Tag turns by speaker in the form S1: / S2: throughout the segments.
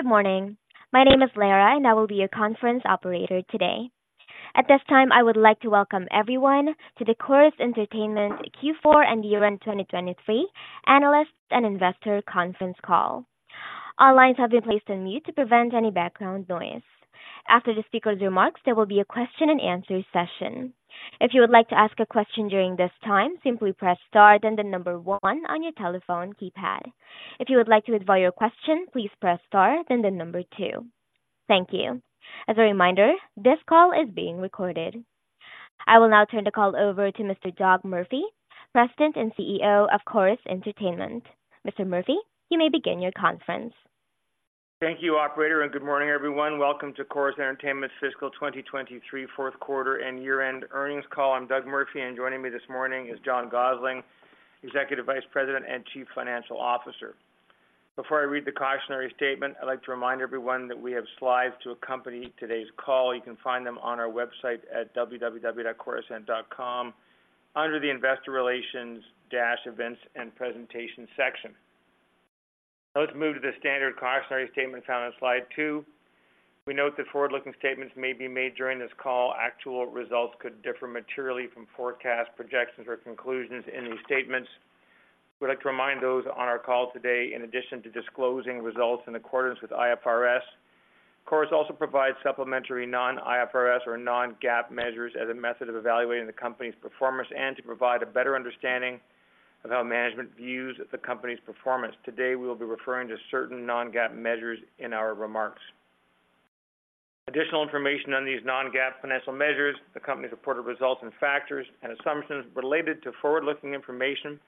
S1: Good morning. My name is Lara, and I will be your conference operator today. At this time, I would like to welcome everyone to the Corus Entertainment Q4 and Year End 2023 Analyst and Investor Conference Call. All lines have been placed on mute to prevent any background noise. After the speaker's remarks, there will be a question and answer session. If you would like to ask a question during this time, simply press star, then the number 1 on your telephone keypad. If you would like to withdraw your question, please press star, then the number 2. Thank you. As a reminder, this call is being recorded. I will now turn the call over to Mr. Doug Murphy, President and CEO of Corus Entertainment. Mr. Murphy, you may begin your conference.
S2: Thank you, operator, and good morning everyone. Welcome to Corus Entertainment's fiscal 2023 fourth quarter and year-end earnings call. I'm Doug Murphy, and joining me this morning is John Gossling, Executive Vice President and Chief Financial Officer. Before I read the cautionary statement, I'd like to remind everyone that we have slides to accompany today's call. You can find them on our website at www.corusent.com under the Investor Relations-Events and Presentations section. Let's move to the standard cautionary statements found on slide 2. We note that forward-looking statements may be made during this call. Actual results could differ materially from forecasts, projections, or conclusions in these statements. We'd like to remind those on our call today, in addition to disclosing results in accordance with IFRS, Corus also provides supplementary non-IFRS or non-GAAP measures as a method of evaluating the company's performance and to provide a better understanding of how management views the company's performance. Today, we will be referring to certain non-GAAP measures in our remarks. Additional information on these non-GAAP financial measures, the company's reported results and factors and assumptions related to forward-looking information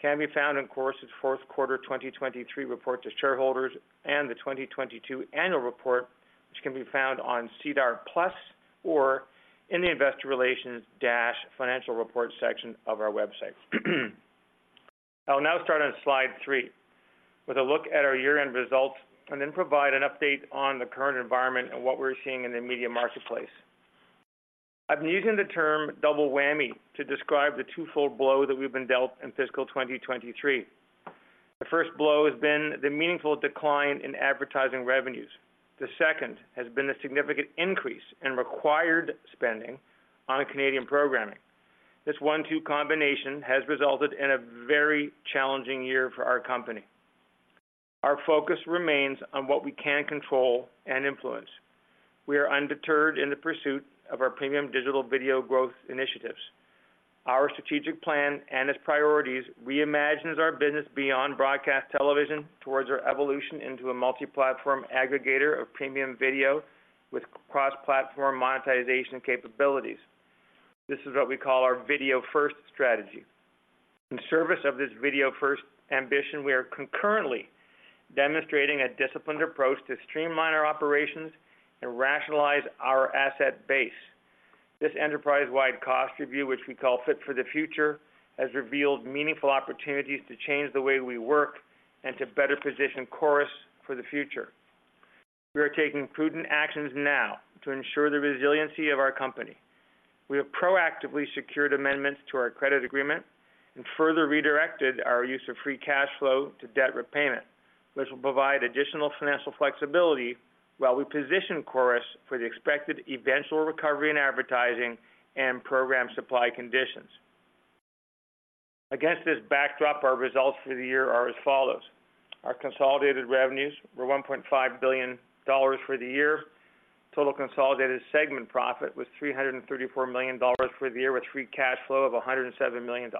S2: can be found in Corus's fourth quarter 2023 report to shareholders and the 2022 annual report, which can be found on SEDAR+ or in the Investor Relations-Financial Report section of our website. I'll now start on slide 3 with a look at our year-end results, and then provide an update on the current environment and what we're seeing in the media marketplace. I've been using the term double whammy to describe the twofold blow that we've been dealt in fiscal 2023. The first blow has been the meaningful decline in advertising revenues. The second has been a significant increase in required spending on Canadian programming. This one-two combination has resulted in a very challenging year for our company. Our focus remains on what we can control and influence. We are undeterred in the pursuit of our premium digital video growth initiatives, our strategic plan and its priorities reimagines our business beyond broadcast television towards our evolution into a multi-platform aggregator of premium video with cross-platform monetization capabilities. This is what we call our video-first strategy. In service of this video-first ambition, we are concurrently demonstrating a disciplined approach to streamline our operations and rationalize our asset base. This enterprise-wide cost review, which we call Fit for the Future, has revealed meaningful opportunities to change the way we work and to better position Corus for the future. We are taking prudent actions now to ensure the resiliency of our company. We have proactively secured amendments to our credit agreement and further redirected our use of free cash flow to debt repayment, which will provide additional financial flexibility while we position Corus for the expected eventual recovery in advertising and program supply conditions. Against this backdrop, our results for the year are as follows: our consolidated revenues were $1.5 billion for the year. Total consolidated segment profit was $334 million for the year, with free cash flow of $107 million.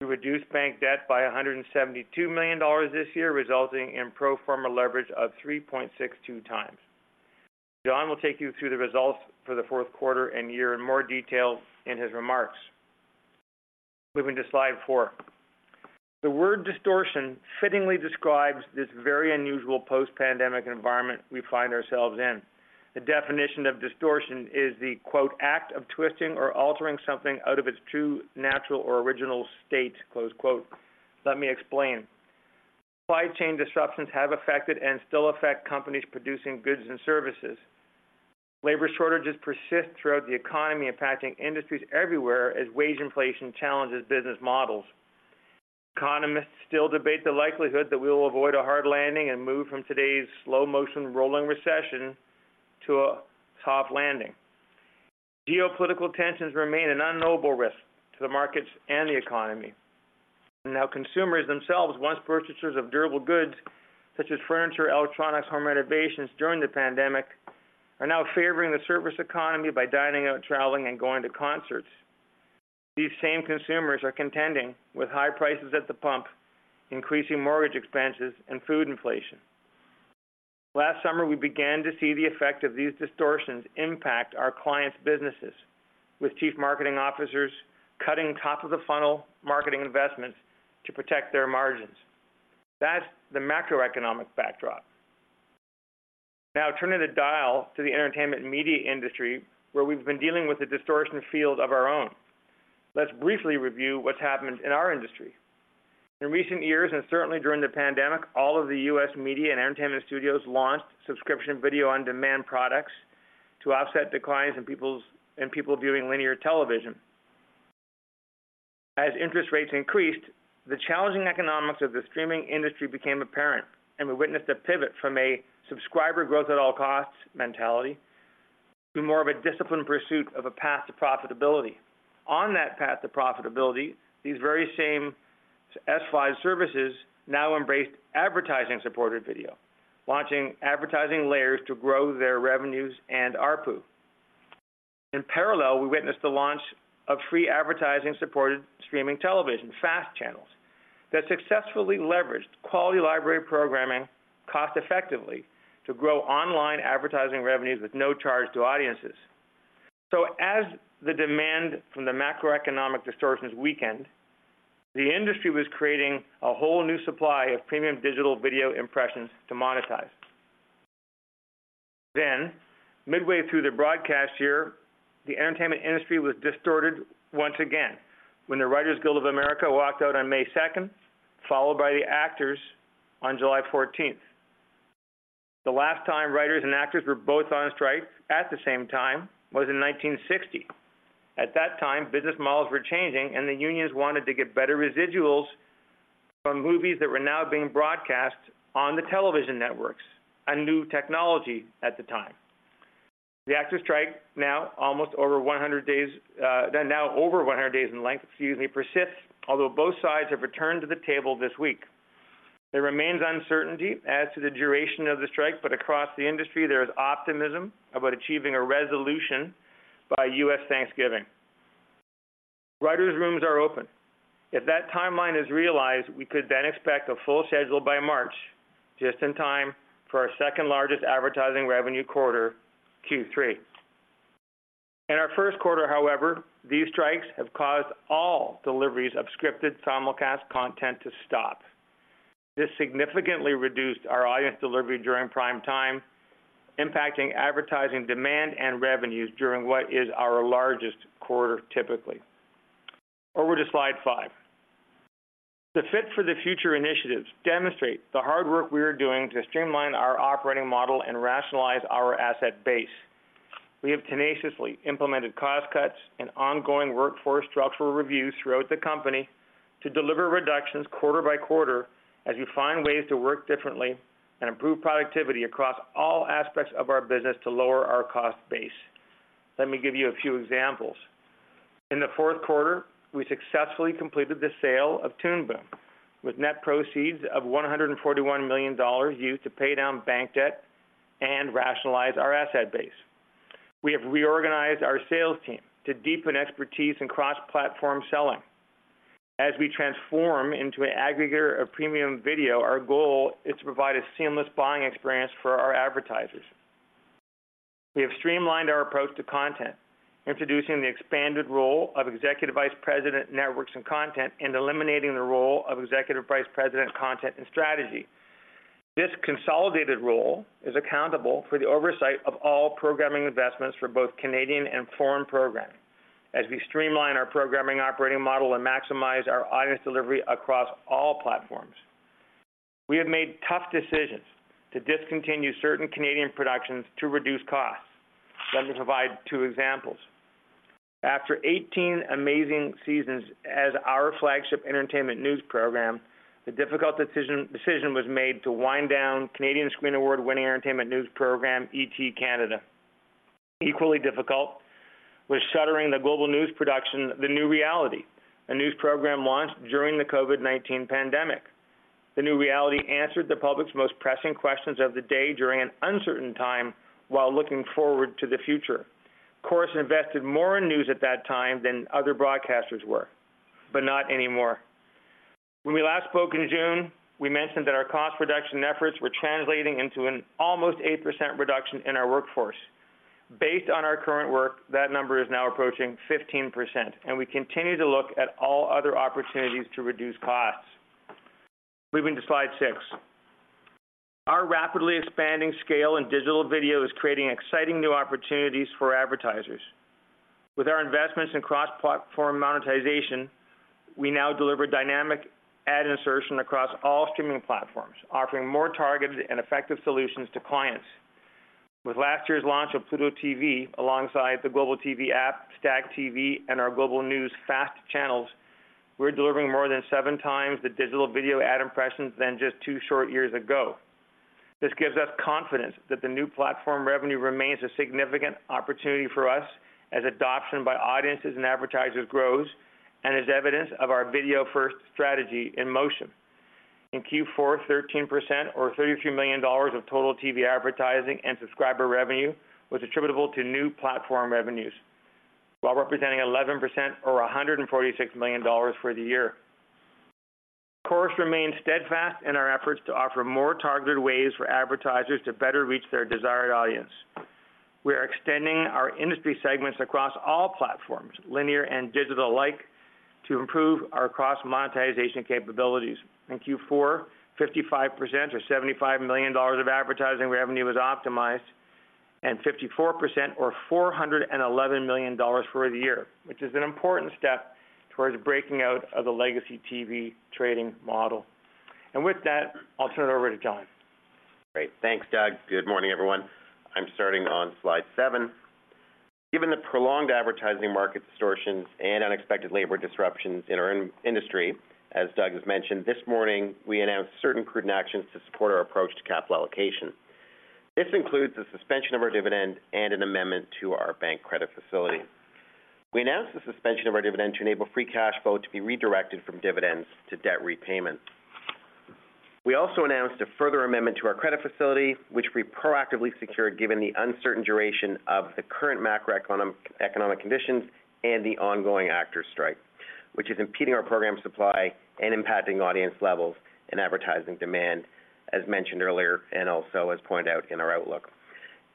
S2: We reduced bank debt by $172 million this year, resulting in pro forma leverage of 3.62 times. John will take you through the results for the fourth quarter and year in more detail in his remarks. Moving to slide 4. The word distortion fittingly describes this very unusual post-pandemic environment we find ourselves in. The definition of distortion is the, quote, "act of twisting or altering something out of its true, natural, or original state," close quote. Let me explain. Supply chain disruptions have affected and still affect companies producing goods and services. Labor shortages persist throughout the economy, impacting industries everywhere as wage inflation challenges business models. Economists still debate the likelihood that we will avoid a hard landing and move from today's slow-motion rolling recession to a soft landing. Geopolitical tensions remain an unknowable risk to the markets and the economy, and now consumers themselves, once purchasers of durable goods such as furniture, electronics, home renovations during the pandemic, are now favoring the service economy by dining out, traveling, and going to concerts. These same consumers are contending with high prices at the pump, increasing mortgage expenses, and food inflation. Last summer, we began to see the effect of these distortions impact our clients' businesses, with chief marketing officers cutting top-of-the-funnel marketing investments to protect their margins. That's the macroeconomic backdrop. Now, turning the dial to the entertainment media industry, where we've been dealing with a distortion field of our own, let's briefly review what's happened in our industry. In recent years, and certainly during the pandemic, all of the US media and entertainment studios launched subscription video-on-demand products to offset declines in people viewing linear television. As interest rates increased, the challenging economics of the streaming industry became apparent, and we witnessed a pivot from a subscriber growth at all costs mentality to more of a disciplined pursuit of a path to profitability. On that path to profitability, these very same SVOD services now embraced advertising-supported video, launching advertising layers to grow their revenues and ARPU. In parallel, we witnessed the launch of free advertising-supported streaming television, FAST Channels, that successfully leveraged quality library programming cost-effectively to grow online advertising revenues with no charge to audiences. As the demand from the macroeconomic distortions weakened, the industry was creating a whole new supply of premium digital video impressions to monetize. Then, midway through the broadcast year, the entertainment industry was distorted once again when the Writers Guild of America walked out on May 2nd, followed by the actors on July 14th. The last time writers and actors were both on strike at the same time was in 1960. At that time, business models were changing, and the unions wanted to get better residuals from movies that were now being broadcast on the television networks, a new technology at the time. The actors strike now, almost over 100 days, now over 100 days in length, excuse me, persists, although both sides have returned to the table this week. There remains uncertainty as to the duration of the strike, but across the industry, there is optimism about achieving a resolution by US Thanksgiving. Writers' rooms are open. If that timeline is realized, we could then expect a full schedule by March, just in time for our second-largest advertising revenue quarter, Q3. In our first quarter, however, these strikes have caused all deliveries of scripted simulcast content to stop. This significantly reduced our audience delivery during prime time, impacting advertising, demand, and revenues during what is our largest quarter, typically. Over to slide 5. The Fit for the Future initiatives demonstrate the hard work we are doing to streamline our operating model and rationalize our asset base. We have tenaciously implemented cost cuts and ongoing workforce structural reviews throughout the company to deliver reductions quarter by quarter, as we find ways to work differently and improve productivity across all aspects of our business to lower our cost base. Let me give you a few examples. In the fourth quarter, we successfully completed the sale of Toon Boom, with net proceeds of $141 million used to pay down bank debt and rationalize our asset base. We have reorganized our sales team to deepen expertise in cross-platform selling. As we transform into an aggregator of premium video, our goal is to provide a seamless buying experience for our advertisers. We have streamlined our approach to content, introducing the expanded role of Executive Vice President, Networks and Content, and eliminating the role of Executive Vice President, Content and Strategy. This consolidated role is accountable for the oversight of all programming investments for both Canadian and foreign programming, as we streamline our programming operating model and maximize our audience delivery across all platforms. We have made tough decisions to discontinue certain Canadian productions to reduce costs. Let me provide two examples: After 18 amazing seasons as our flagship entertainment news program, the difficult decision was made to wind down Canadian Screen Award-winning entertainment news program, ET Canada. Equally difficult was shuttering the Global News production, The New Reality, a news program launched during the COVID-19 pandemic. The New Reality answered the public's most pressing questions of the day during an uncertain time while looking forward to the future. Corus invested more in news at that time than other broadcasters were, but not anymore. When we last spoke in June, we mentioned that our cost reduction efforts were translating into an almost 8% reduction in our workforce. Based on our current work, that number is now approaching 15%, and we continue to look at all other opportunities to reduce costs. Moving to slide 6. Our rapidly expanding scale in digital video is creating exciting new opportunities for advertisers. With our investments in cross-platform monetization, we now deliver dynamic ad insertion across all streaming platforms, offering more targeted and effective solutions to clients. With last year's launch of Pluto TV, alongside the Global TV app, StackTV, and our Global News FAST channels, we're delivering more than seven times the digital video ad impressions than just two short years ago. This gives us confidence that the new platform revenue remains a significant opportunity for us as adoption by audiences and advertisers grows and is evidence of our video-first strategy in motion. In Q4, 13% or $33 million of total TV advertising and subscriber revenue was attributable to new platform revenues, while representing 11% or $146 million for the year. Corus remains steadfast in our efforts to offer more targeted ways for advertisers to better reach their desired audience. We are extending our industry segments across all platforms, linear and digital alike, to improve our cross-monetization capabilities. In Q4, 55% or $75 million of advertising revenue was optimized, and 54% or $411 million for the year, which is an important step towards breaking out of the legacy TV trading model. With that, I'll turn it over to John....
S3: Great. Thanks, Doug. Good morning, everyone. I'm starting on slide 7. Given the prolonged advertising market distortions and unexpected labor disruptions in our industry, as Doug has mentioned, this morning, we announced certain prudent actions to support our approach to capital allocation. This includes the suspension of our dividend and an amendment to our bank credit facility. We announced the suspension of our dividend to enable free cash flow to be redirected from dividends to debt repayment. We also announced a further amendment to our credit facility, which we proactively secured, given the uncertain duration of the current macroeconomic conditions and the ongoing actor strike, which is impeding our program supply and impacting audience levels and advertising demand, as mentioned earlier, and also as pointed out in our outlook.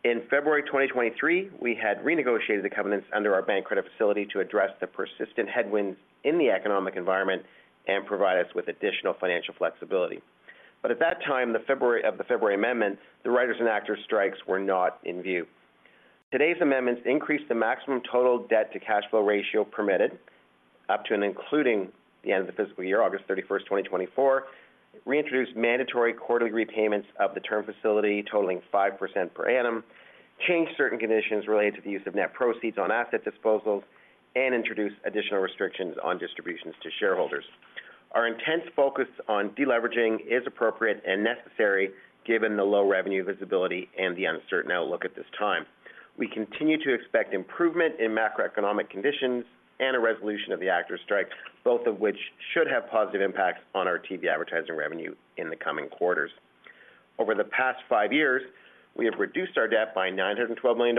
S3: In February 2023, we had renegotiated the covenants under our bank credit facility to address the persistent headwinds in the economic environment and provide us with additional financial flexibility. But at that time, the February amendments, the writers and actors strikes were not in view. Today's amendments increase the maximum total debt to cash flow ratio permitted up to, and including the end of the fiscal year, August 31, 2024, reintroduced mandatory quarterly repayments of the term facility totaling 5% per annum, changed certain conditions related to the use of net proceeds on asset disposals, and introduced additional restrictions on distributions to shareholders. Our intense focus on deleveraging is appropriate and necessary given the low revenue visibility and the uncertain outlook at this time. We continue to expect improvement in macroeconomic conditions and a resolution of the actors strike, both of which should have positive impacts on our TV advertising revenue in the coming quarters. Over the past 5 years, we have reduced our debt by $ 912 million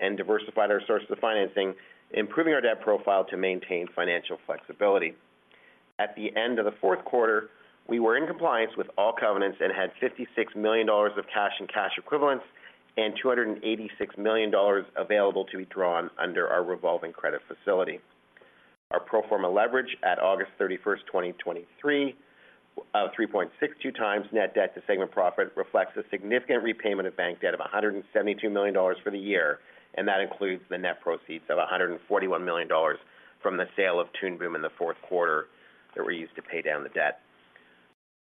S3: and diversified our sources of financing, improving our debt profile to maintain financial flexibility. At the end of the fourth quarter, we were in compliance with all covenants and had $ 56 million of cash and cash equivalents, and $ 286 million available to be drawn under our revolving credit facility. Our pro forma leverage at August 31st, 2023, of 3.62x net debt to segment profit, reflects a significant repayment of bank debt of $172 million for the year, and that includes the net proceeds of $141 million from the sale of Toon Boom in the fourth quarter that were used to pay down the debt.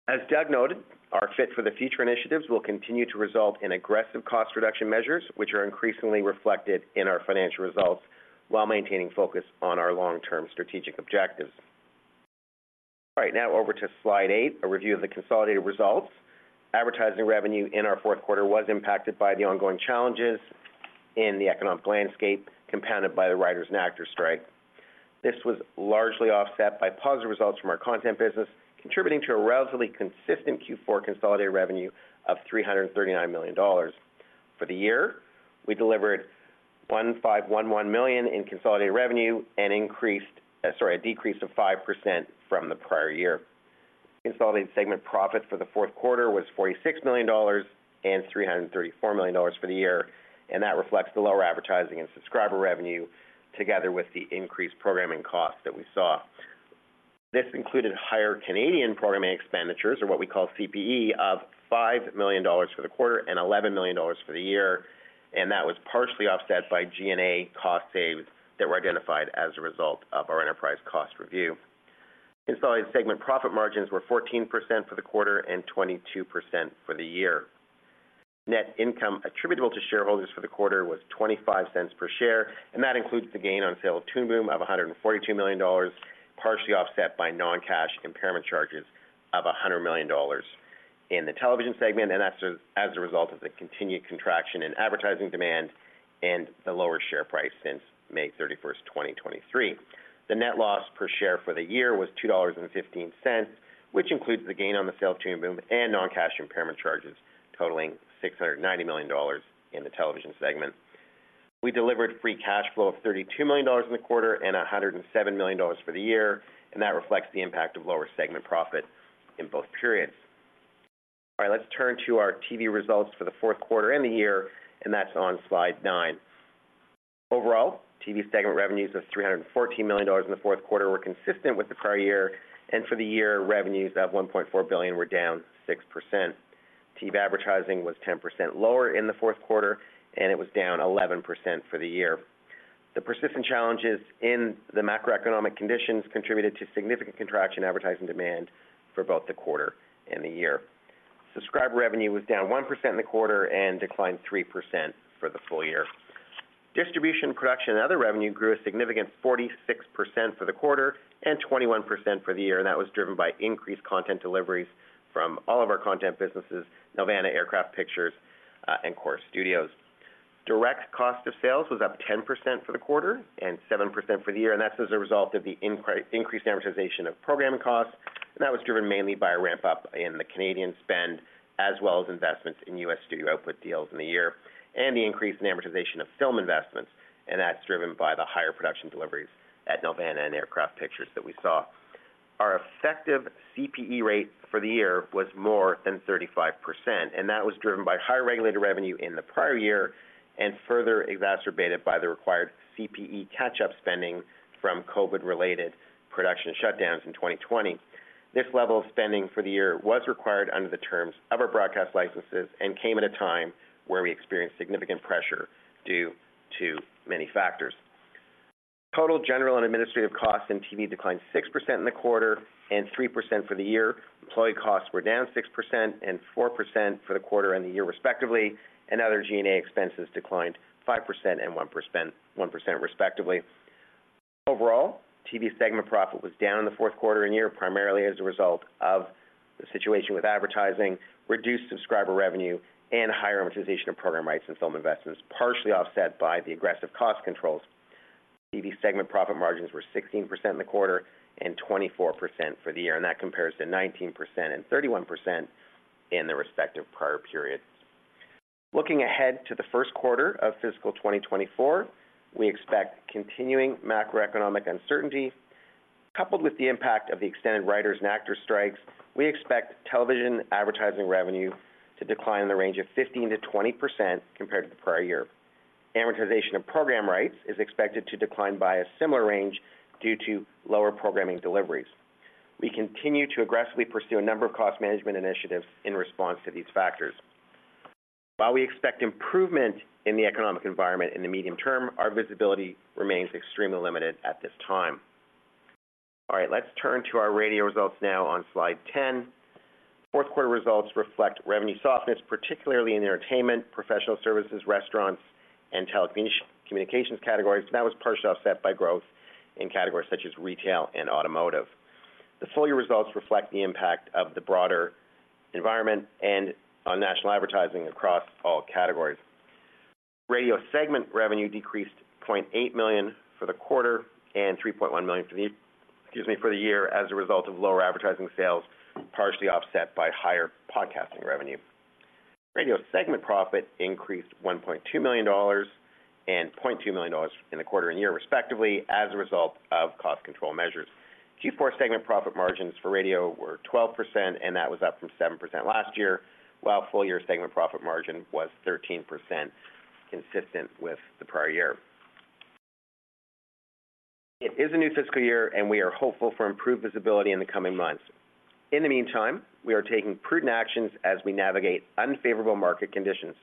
S3: As Doug noted, our Fit for the Future initiatives will continue to result in aggressive cost reduction measures, which are increasingly reflected in our financial results, while maintaining focus on our long-term strategic objectives. All right, now over to slide 8, a review of the consolidated results. Advertising revenue in our fourth quarter was impacted by the ongoing challenges in the economic landscape, compounded by the writers and actors strike. This was largely offset by positive results from our content business, contributing to a relatively consistent Q4 consolidated revenue of $339 million. For the year, we delivered $ 1,511 million in consolidated revenue and a decrease of 5% from the prior year. Consolidated segment profit for the fourth quarter was $46 million and $334 million for the year, and that reflects the lower advertising and subscriber revenue, together with the increased programming costs that we saw. This included higher Canadian programming expenditures, or what we call CPE, of 5 million for the quarter and $11 million for the year, and that was partially offset by G&A cost saves that were identified as a result of our enterprise cost review. Segment profit margins were 14% for the quarter and 22% for the year. Net income attributable to shareholders for the quarter was $0.25 per share, and that includes the gain on sale of Toon Boom of $142 million, partially offset by non-cash impairment charges of $100 million in the television segment, and that's a result of the continued contraction in advertising demand and the lower share price since May 31, 2023. The net loss per share for the year was $2.15, which includes the gain on the sale of Toon Boom and non-cash impairment charges totaling $690 million in the television segment. We delivered free cash flow of $32 million in the quarter and $107 million for the year, and that reflects the impact of lower segment profit in both periods. All right, let's turn to our TV results for the fourth quarter and the year, and that's on slide 9. Overall, TV segment revenues of $314 million in the fourth quarter were consistent with the prior year, and for the year, revenues of $1.4 billion were down 6%. TV advertising was 10% lower in the fourth quarter, and it was down 11% for the year. The persistent challenges in the macroeconomic conditions contributed to significant contraction advertising demand for both the quarter and the year. Subscriber revenue was down 1% in the quarter and declined 3% for the full year. Distribution, production, and other revenue grew a significant 46% for the quarter and 21% for the year, and that was driven by increased content deliveries from all of our content businesses, Nelvana, Aircraft Pictures, and Corus Studios. Direct cost of sales was up 10% for the quarter and 7% for the year, and that's as a result of the increased amortization of programming costs, and that was driven mainly by a ramp-up in the Canadian spend, as well as investments in US studio output deals in the year, and the increase in amortization of film investments. And that's driven by the higher production deliveries at Nelvana and Aircraft Pictures that we saw. Our effective CPE rate for the year was more than 35%, and that was driven by higher regulated revenue in the prior year and further exacerbated by the required CPE catch-up spending from COVID-related production shutdowns in 2020. This level of spending for the year was required under the terms of our broadcast licenses and came at a time where we experienced significant pressure due to many factors. Total general and administrative costs in TV declined 6% in the quarter and 3% for the year. Employee costs were down 6% and 4% for the quarter and the year, respectively, and other G&A expenses declined 5% and one percent, one percent, respectively. Overall, TV segment profit was down in the fourth quarter and year, primarily as a result of the situation with advertising, reduced subscriber revenue, and higher amortization of program rights and film investments, partially offset by the aggressive cost controls. TV segment profit margins were 16% in the quarter and 24% for the year, and that compares to 19% and 31% in the respective prior periods. Looking ahead to the first quarter of fiscal 2024, we expect continuing macroeconomic uncertainty. Coupled with the impact of the extended writers and actors strikes, we expect television advertising revenue to decline in the range of 15%-20% compared to the prior year. Amortization of program rights is expected to decline by a similar range due to lower programming deliveries. We continue to aggressively pursue a number of cost management initiatives in response to these factors. While we expect improvement in the economic environment in the medium term, our visibility remains extremely limited at this time. All right, let's turn to our radio results now on slide 10. Fourth quarter results reflect revenue softness, particularly in the entertainment, professional services, restaurants, and telecommunications categories, and that was partially offset by growth in categories such as retail and automotive. The full year results reflect the impact of the broader environment and on national advertising across all categories. Radio segment revenue decreased $0.8 million for the quarter and $3.1 million for the, excuse me, for the year as a result of lower advertising sales, partially offset by higher podcasting revenue. Radio segment profit increased $1.2 million and $0.2 million in the quarter and year, respectively, as a result of cost control measures. Q4 segment profit margins for radio were 12%, and that was up from 7% last year, while full year segment profit margin was 13%, consistent with the prior year. It is a new fiscal year, and we are hopeful for improved visibility in the coming months. In the meantime, we are taking prudent actions as we navigate unfavorable market conditions.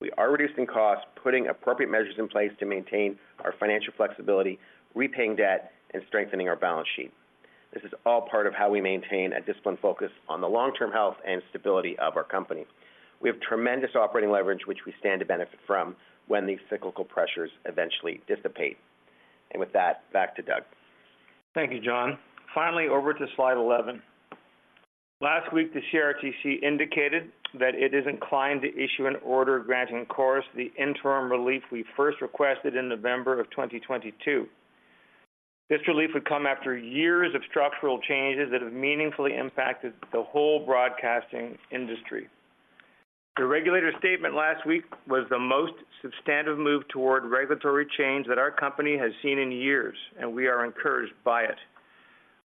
S3: We are reducing costs, putting appropriate measures in place to maintain our financial flexibility, repaying debt, and strengthening our balance sheet. This is all part of how we maintain a disciplined focus on the long-term health and stability of our company. We have tremendous operating leverage, which we stand to benefit from when these cyclical pressures eventually dissipate. And with that, back to Doug.
S2: Thank you, John. Finally, over to slide 11. Last week, the CRTC indicated that it is inclined to issue an order granting Corus the interim relief we first requested in November 2022. This relief would come after years of structural changes that have meaningfully impacted the whole broadcasting industry. The regulator's statement last week was the most substantive move toward regulatory change that our company has seen in years, and we are encouraged by it.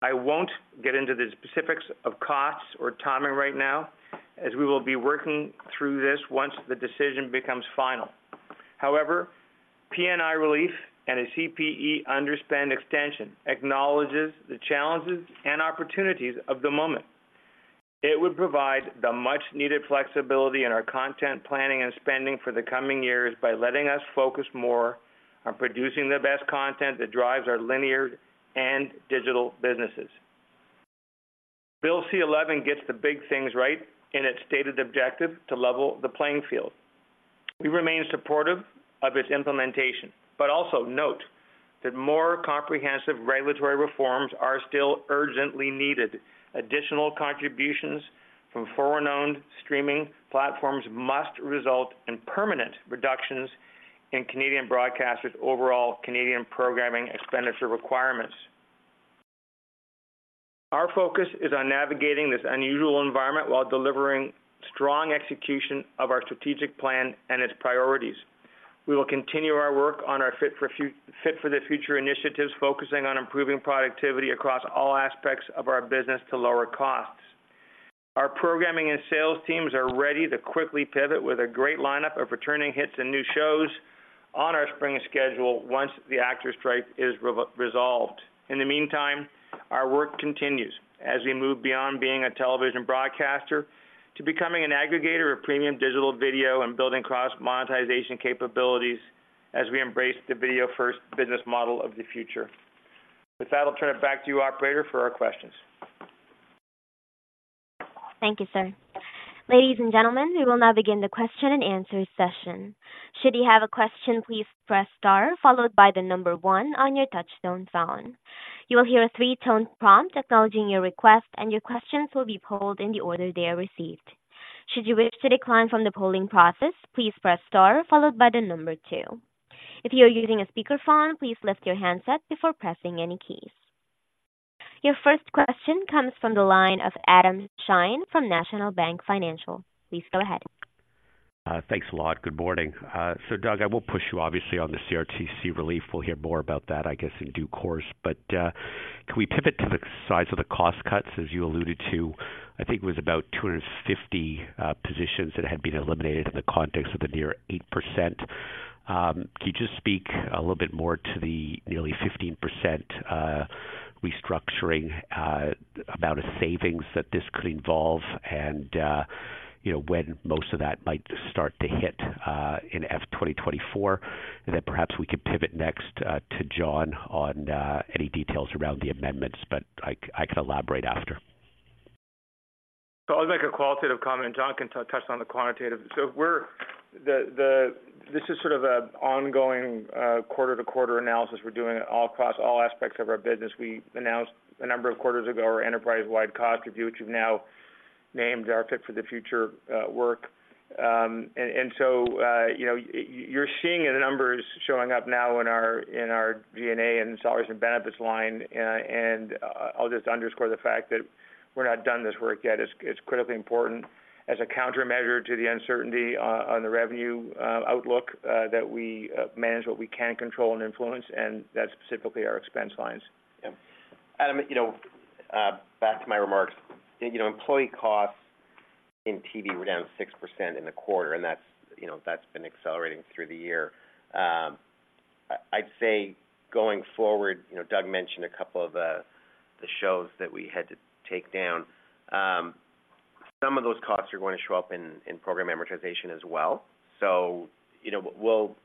S2: I won't get into the specifics of costs or timing right now, as we will be working through this once the decision becomes final. However, PNI relief and a CPE underspend extension acknowledges the challenges and opportunities of the moment. It would provide the much-needed flexibility in our content planning and spending for the coming years by letting us focus more on producing the best content that drives our linear and digital businesses. Bill C-11 gets the big things right in its stated objective to level the playing field. We remain supportive of its implementation, but also note that more comprehensive regulatory reforms are still urgently needed. Additional contributions from foreign-owned streaming platforms must result in permanent reductions in Canadian broadcasters' overall Canadian programming expenditure requirements. Our focus is on navigating this unusual environment while delivering strong execution of our strategic plan and its priorities. We will continue our work on our Fit for the Future initiatives, focusing on improving productivity across all aspects of our business to lower costs. Our programming and sales teams are ready to quickly pivot with a great lineup of returning hits and new shows on our spring schedule once the actors strike is re-resolved. In the meantime, our work continues as we move beyond being a television broadcaster to becoming an aggregator of premium digital video and building cross monetization capabilities as we embrace the video-first business model of the future. With that, I'll turn it back to you, operator, for our questions.
S1: Thank you, sir. Ladies and gentlemen, we will now begin the question and answer session. Should you have a question, please press star followed by the number one on your touchtone phone. You will hear a 3-tone prompt acknowledging your request, and your questions will be polled in the order they are received. Should you wish to decline from the polling process, please press star followed by the number two. If you are using a speakerphone, please lift your handset before pressing any keys. Your first question comes from the line of Adam Shine from National Bank Financial. Please go ahead.
S4: Thanks a lot. Good morning. So Doug, I will push you obviously on the CRTC relief. We'll hear more about that, I guess, in due course. But can we pivot to the size of the cost cuts, as you alluded to? I think it was about 250 positions that had been eliminated in the context of the near 8%. Can you just speak a little bit more to the nearly 15% restructuring amount of savings that this could involve and you know, when most of that might start to hit in F 2024. And then perhaps we could pivot next to John on any details around the amendments, but I can elaborate after.
S2: So I'll make a qualitative comment, and John can touch on the quantitative. So we're this is sort of an ongoing quarter-to-quarter analysis we're doing all across all aspects of our business. We announced a number of quarters ago our enterprise-wide cost review, which we've now named our Fit for the Future work. And so, you know, you're seeing the numbers showing up now in our G&A and salaries and benefits line, and I'll just underscore the fact that we're not done this work yet. It's critically important as a countermeasure to the uncertainty on the revenue outlook that we manage what we can control and influence, and that's specifically our expense lines.
S3: Yeah. Adam, you know, back to my remarks, you know, employee costs in TV were down 6% in the quarter, and that's, you know, that's been accelerating through the year. I'd say going forward, you know, Doug mentioned a couple of the shows that we had to take down. Some of those costs are going to show up in program amortization as well. So, you know, we'll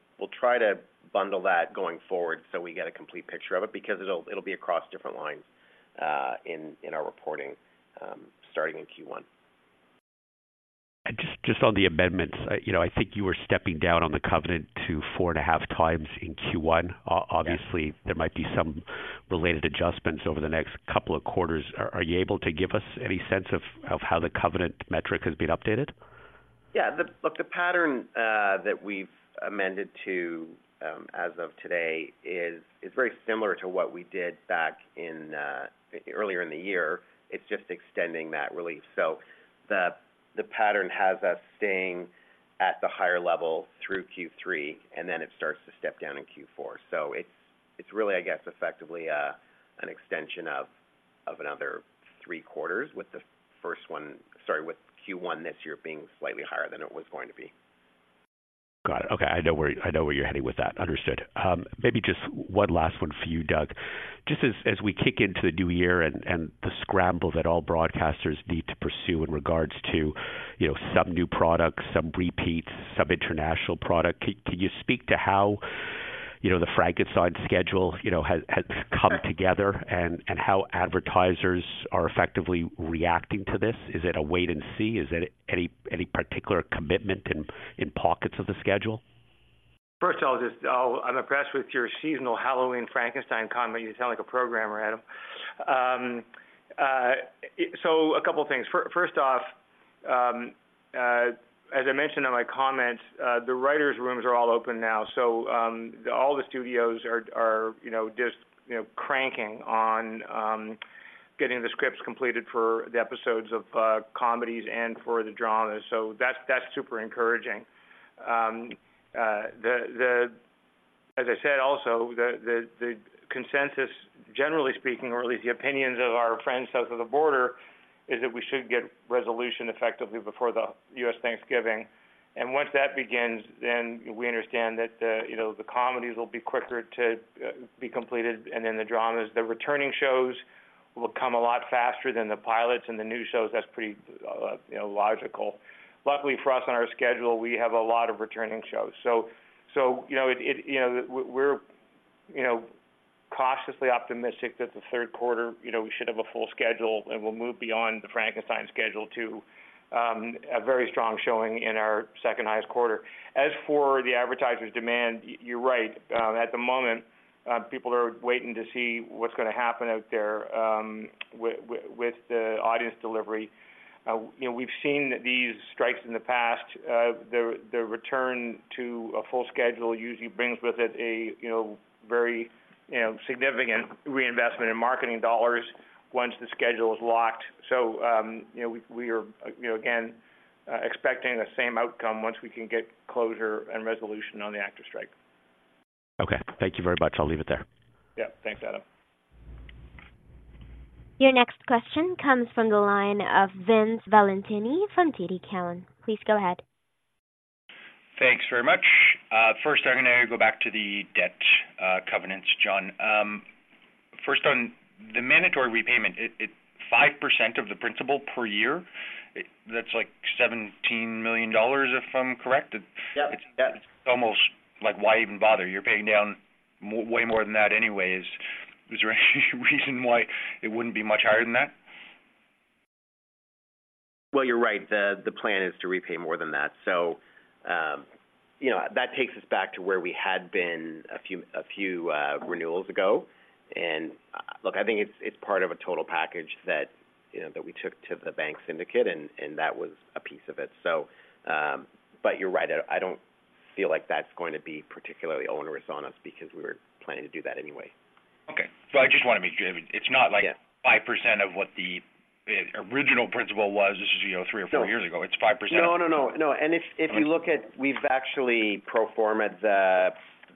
S3: try to bundle that going forward so we get a complete picture of it, because it'll be across different lines in our reporting, starting in Q1.
S4: Just on the amendments, you know, I think you were stepping down on the covenant to 4.5x in Q1.
S3: Yeah.
S4: Obviously, there might be some related adjustments over the next couple of quarters. Are you able to give us any sense of, of how the covenant metric has been updated?
S3: Yeah, look, the pattern that we've amended to, as of today is very similar to what we did back in earlier in the year. It's just extending that relief. So the pattern has us staying at the higher level through Q3, and then it starts to step down in Q4. So it's really, I guess, effectively, an extension of another three quarters with the first one sorry, with Q1 this year being slightly higher than it was going to be.
S4: Got it. Okay, I know where, I know where you're heading with that. Understood. Maybe just one last one for you, Doug. Just as we kick into the new year and the scramble that all broadcasters need to pursue in regards to, you know, some new products, some repeats, some international product. Can you speak to how, you know, the Frankenstein schedule, you know, has come together and how advertisers are effectively reacting to this? Is it a wait and see? Is it any particular commitment in pockets of the schedule?
S2: First of all, just, I'm impressed with your seasonal Halloween Frankenstein comment. You sound like a programmer, Adam. So a couple of things. First off, as I mentioned in my comments, the writers' rooms are all open now, so, all the studios are, you know, just, you know, cranking on, getting the scripts completed for the episodes of, comedies and for the dramas. So that's super encouraging. As I said, also, the consensus, generally speaking, or at least the opinions of our friends south of the border, is that we should get resolution effectively before the US Thanksgiving. And once that begins, then we understand that, you know, the comedies will be quicker to be completed, and then the dramas. The returning shows will come a lot faster than the pilots and the new shows. That's pretty, you know, logical. Luckily for us, on our schedule, we have a lot of returning shows. So, you know, it, you know, we're, you know, cautiously optimistic that the third quarter, you know, we should have a full schedule, and we'll move beyond the Frankenstein schedule to a very strong showing in our second highest quarter. As for the advertisers' demand, you're right. At the moment, people are waiting to see what's going to happen out there with the audience delivery. You know, we've seen these strikes in the past. The return to a full schedule usually brings with it a, you know, very, you know, significant reinvestment in marketing dollars once the schedule is locked. So, you know, we are, you know, again, expecting the same outcome once we can get closure and resolution on the actors' strike.
S4: Okay, thank you very much. I'll leave it there.
S2: Yeah. Thanks, Adam.
S1: Your next question comes from the line of Vince Valentini from TD Cowen. Please go ahead.
S5: Thanks very much. First, I'm going to go back to the debt covenants, John. First, on the mandatory repayment, it 5% of the principal per year? That's like $17 million, if I'm correct.
S3: Yep. Yep.
S5: It's almost like, why even bother? You're paying down way more than that anyways. Is there any reason why it wouldn't be much higher than that?
S3: Well, you're right. The plan is to repay more than that. So, you know, that takes us back to where we had been a few renewals ago. And, look, I think it's part of a total package that, you know, that we took to the bank syndicate, and that was a piece of it. So, but you're right. I don't feel like that's going to be particularly onerous on us because we were planning to do that anyway.
S5: Okay. So I just want to make sure it's not like-
S3: Yeah.
S5: -5% of what the original principal was. This is, you know, three or four years ago. It's 5%.
S3: No, no, no, no. And if you look at... We've actually pro forma-d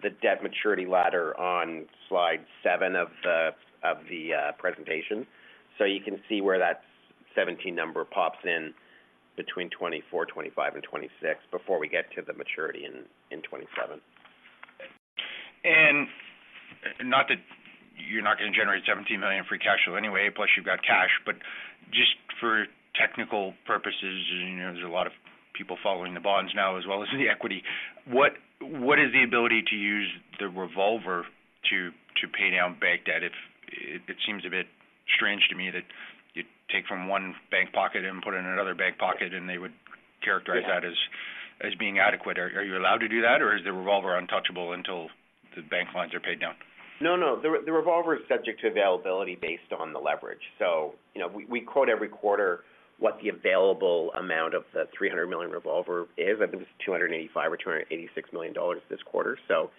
S3: the debt maturity ladder on slide 7 of the presentation. So you can see where that 17 number pops in between 2024, 2025 and 2026 before we get to the maturity in 2027....
S5: And not that you're not going to generate $17 million free cash flow anyway, plus you've got cash. But just for technical purposes, you know, there's a lot of people following the bonds now as well as the equity. What, what is the ability to use the revolver to, to pay down bank debt? If-- it seems a bit strange to me that you take from one bank pocket and put it in another bank pocket, and they would characterize that as, as being adequate. Are you allowed to do that, or is the revolver untouchable until the bank lines are paid down?
S3: No, no. The revolver is subject to availability based on the leverage. So, you know, we quote every quarter what the available amount of the $300 million revolver is. I think it's $285 million or $286 million this quarter. So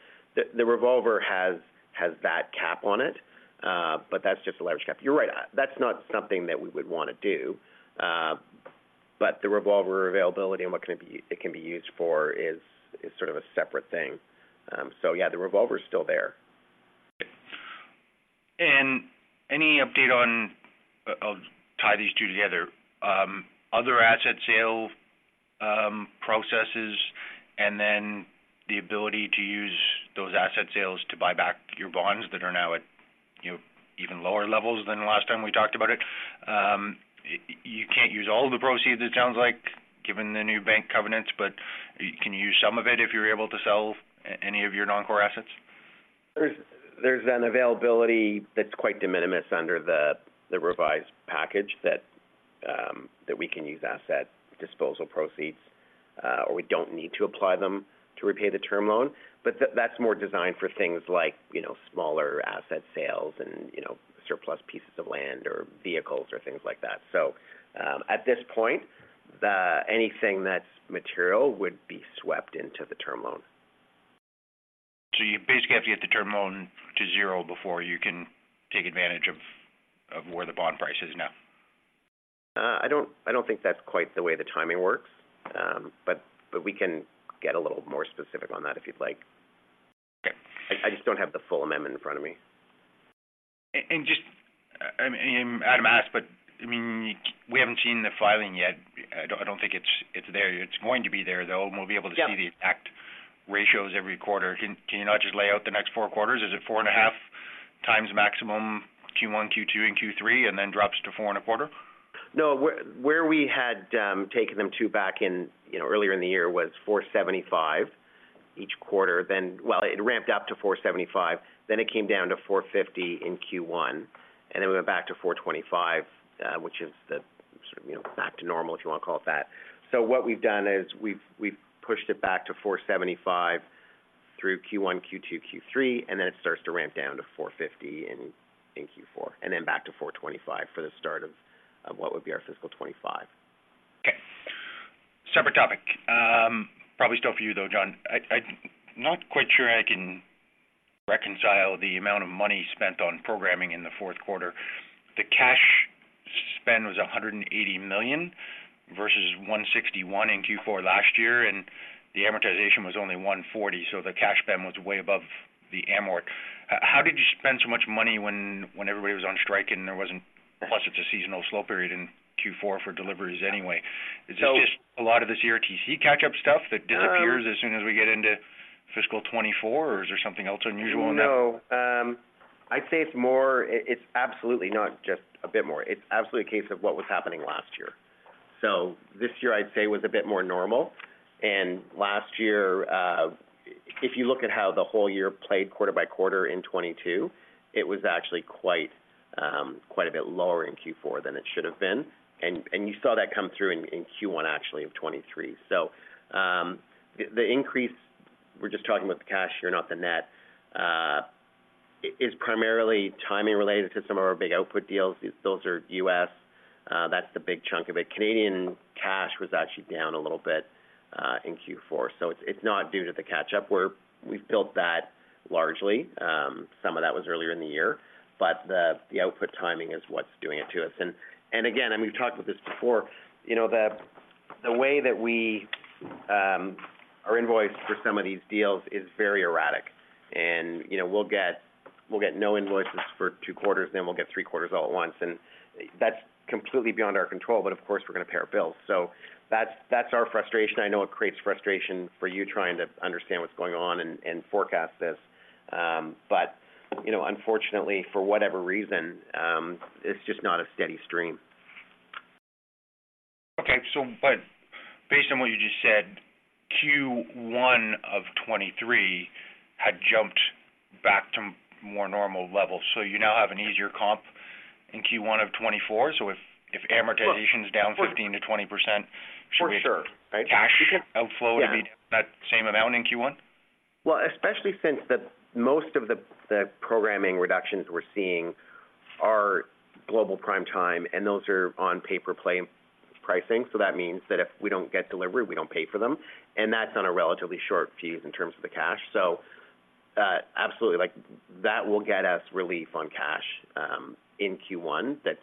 S3: the revolver has that cap on it, but that's just a leverage cap. You're right, that's not something that we would want to do, but the revolver availability and what it can be used for is sort of a separate thing. So yeah, the revolver is still there.
S5: Any update on... I'll tie these two together, other asset sale processes, and then the ability to use those asset sales to buy back your bonds that are now at, you know, even lower levels than the last time we talked about it. You can't use all the proceeds, it sounds like, given the new bank covenants, but can you use some of it if you're able to sell any of your non-core assets?
S3: There's an availability that's quite the minimis under the revised package that we can use asset disposal proceeds, or we don't need to apply them to repay the term loan. But that's more designed for things like, you know, smaller asset sales and, you know, surplus pieces of land or vehicles or things like that. So, at this point, anything that's material would be swept into the term loan.
S5: You basically have to get the term loan to zero before you can take advantage of where the bond price is now?
S3: I don't think that's quite the way the timing works, but we can get a little more specific on that if you'd like.
S5: Okay.
S3: I just don't have the full amendment in front of me.
S5: And just, I mean, Adam asked, but I mean, we haven't seen the filing yet. I don't think it's there. It's going to be there, though, and we'll be able to see-
S3: Yeah...
S5: the exact ratios every quarter. Can you not just lay out the next four quarters? Is it 4.5x maximum Q1, Q2, and Q3, and then drops to 4.25?
S3: No. Where wehad taken them to back in, you know, earlier in the year was 4.75x each quarter. Then, well, it ramped up to 4.75x, then it came down to 4.50x in Q1, and then we went back to 4.25x, which is the, sort of, you know, back to normal, if you want to call it that. So what we've done is we've pushed it back to 4.75x through Q1, Q2, Q3, and then it starts to ramp down to 450 in Q4, and then back to 425 for the start of what would be our fiscal 2025.
S5: Okay. Separate topic. Probably still for you, though, John. I'm not quite sure I can reconcile the amount of money spent on programming in the fourth quarter. The cash spend was $180 million versus $161 million in Q4 last year, and the amortization was only $140 million, so the cash spend was way above the amort. How did you spend so much money when everybody was on strike and there wasn't, plus, it's a seasonal slow period in Q4 for deliveries anyway?
S3: So-
S5: Is it just a lot of the CRTC catch-up stuff that disappears as soon as we get into fiscal 2024, or is there something else unusual in that?
S3: No, I'd say it's more. It's absolutely not just a bit more. It's absolutely a case of what was happening last year. So this year, I'd say, was a bit more normal, and last year, if you look at how the whole year played quarter by quarter in 2022, it was actually quite, quite a bit lower in Q4 than it should have been. And you saw that come through in Q1, actually, of 2023. So, the increase, we're just talking about the cash here, not the net, is primarily timing related to some of our big output deals. Those are US, that's the big chunk of it. Canadian cash was actually down a little bit in Q4, so it's not due to the catch-up, where we've built that largely. Some of that was earlier in the year, but the output timing is what's doing it to us. And again, we've talked about this before, you know, the way that we are invoiced for some of these deals is very erratic. And, you know, we'll get no invoices for two quarters, then we'll get three quarters all at once, and that's completely beyond our control. But of course, we're going to pay our bills. So that's our frustration. I know it creates frustration for you trying to understand what's going on and forecast this. But, you know, unfortunately, for whatever reason, it's just not a steady stream.
S5: Okay. So but based on what you just said, Q1 of 2023 had jumped back to more normal levels. So you now have an easier comp in Q1 of 2024? So if, if amortization is down 15%-20%-
S3: For sure.
S5: Should we cash outflow to be that same amount in Q1?
S3: Well, especially since most of the programming reductions we're seeing are global prime time, and those are on pay per play pricing. So that means that if we don't get delivery, we don't pay for them. And that's on a relatively short fuse in terms of the cash. So, absolutely. Like, that will get us relief on cash in Q1. That's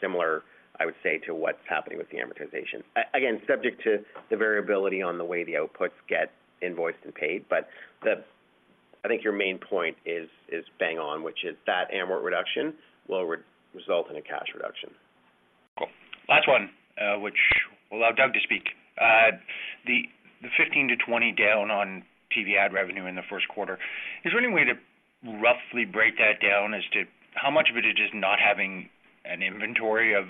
S3: similar, I would say, to what's happening with the amortization. Again, subject to the variability on the way the outputs get invoiced and paid. But I think your main point is bang on, which is that amort reduction will result in a cash reduction.
S5: Last one, which we'll allow Doug to speak. The 15%-20% down on TV ad revenue in the first quarter, is there any way to roughly break that down as to how much of it is just not having an inventory of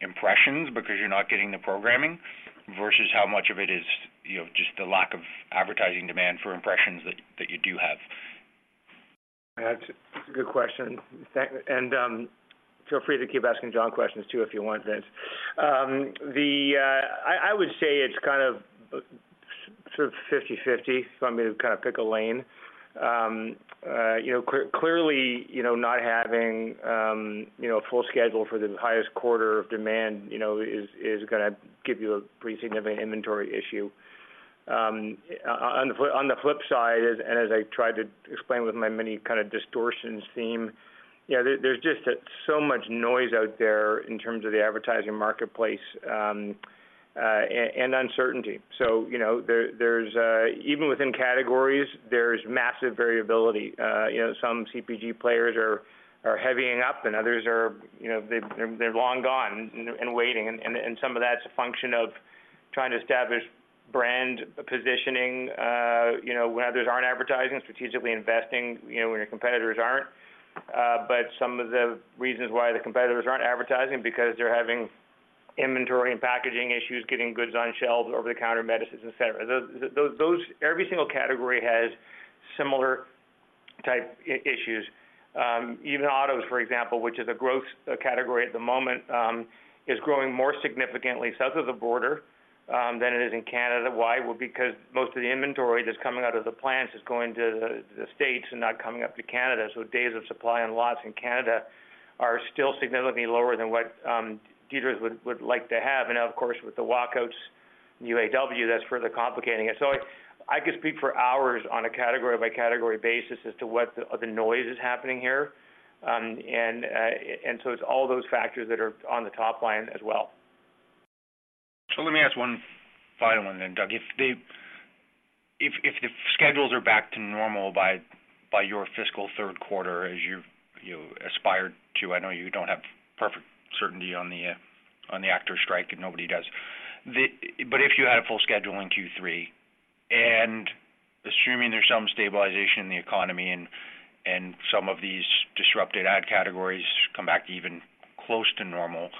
S5: impressions because you're not getting the programming, versus how much of it is, you know, just the lack of advertising demand for impressions that you do have?
S2: That's a good question. Thanks and, feel free to keep asking John questions, too, if you want, Vince. I would say it's kind of, sort of 50/50 if I'm going to kind of pick a lane. You know, clearly, you know, not having, you know, a full schedule for the highest quarter of demand, you know, is, is gonna give you a pretty significant inventory issue. On the, on the flip side, and as I tried to explain with my many kind of distortions theme, yeah, there's just so much noise out there in terms of the advertising marketplace, and uncertainty. So, you know, there's, even within categories, there's massive variability. You know, some CPG players are, are heavying up, and others are, you know, they've, they're long gone and waiting. And some of that's a function of trying to establish brand positioning, you know, when others aren't advertising, strategically investing, you know, when your competitors aren't. But some of the reasons why the competitors aren't advertising is because they're having inventory and packaging issues, getting goods on shelves, over-the-counter medicines, et cetera. Every single category has similar type issues. Even autos, for example, which is a gross category at the moment, is growing more significantly south of the border than it is in Canada. Why? Well, because most of the inventory that's coming out of the plants is going to the States and not coming up to Canada. So days of supply and lots in Canada are still significantly lower than what dealers would like to have. And of course, with the walkouts, UAW, that's further complicating it. So I could speak for hours on a category-by-category basis as to what the noise is happening here. And so it's all those factors that are on the top line as well.
S5: So let me ask one final one then, Doug. If the schedules are back to normal by your fiscal third quarter, as you aspired to, I know you don't have perfect certainty on the actor strike, and nobody does. But if you had a full schedule in Q3, and assuming there's some stabilization in the economy and some of these disrupted ad categories come back to even close to normal,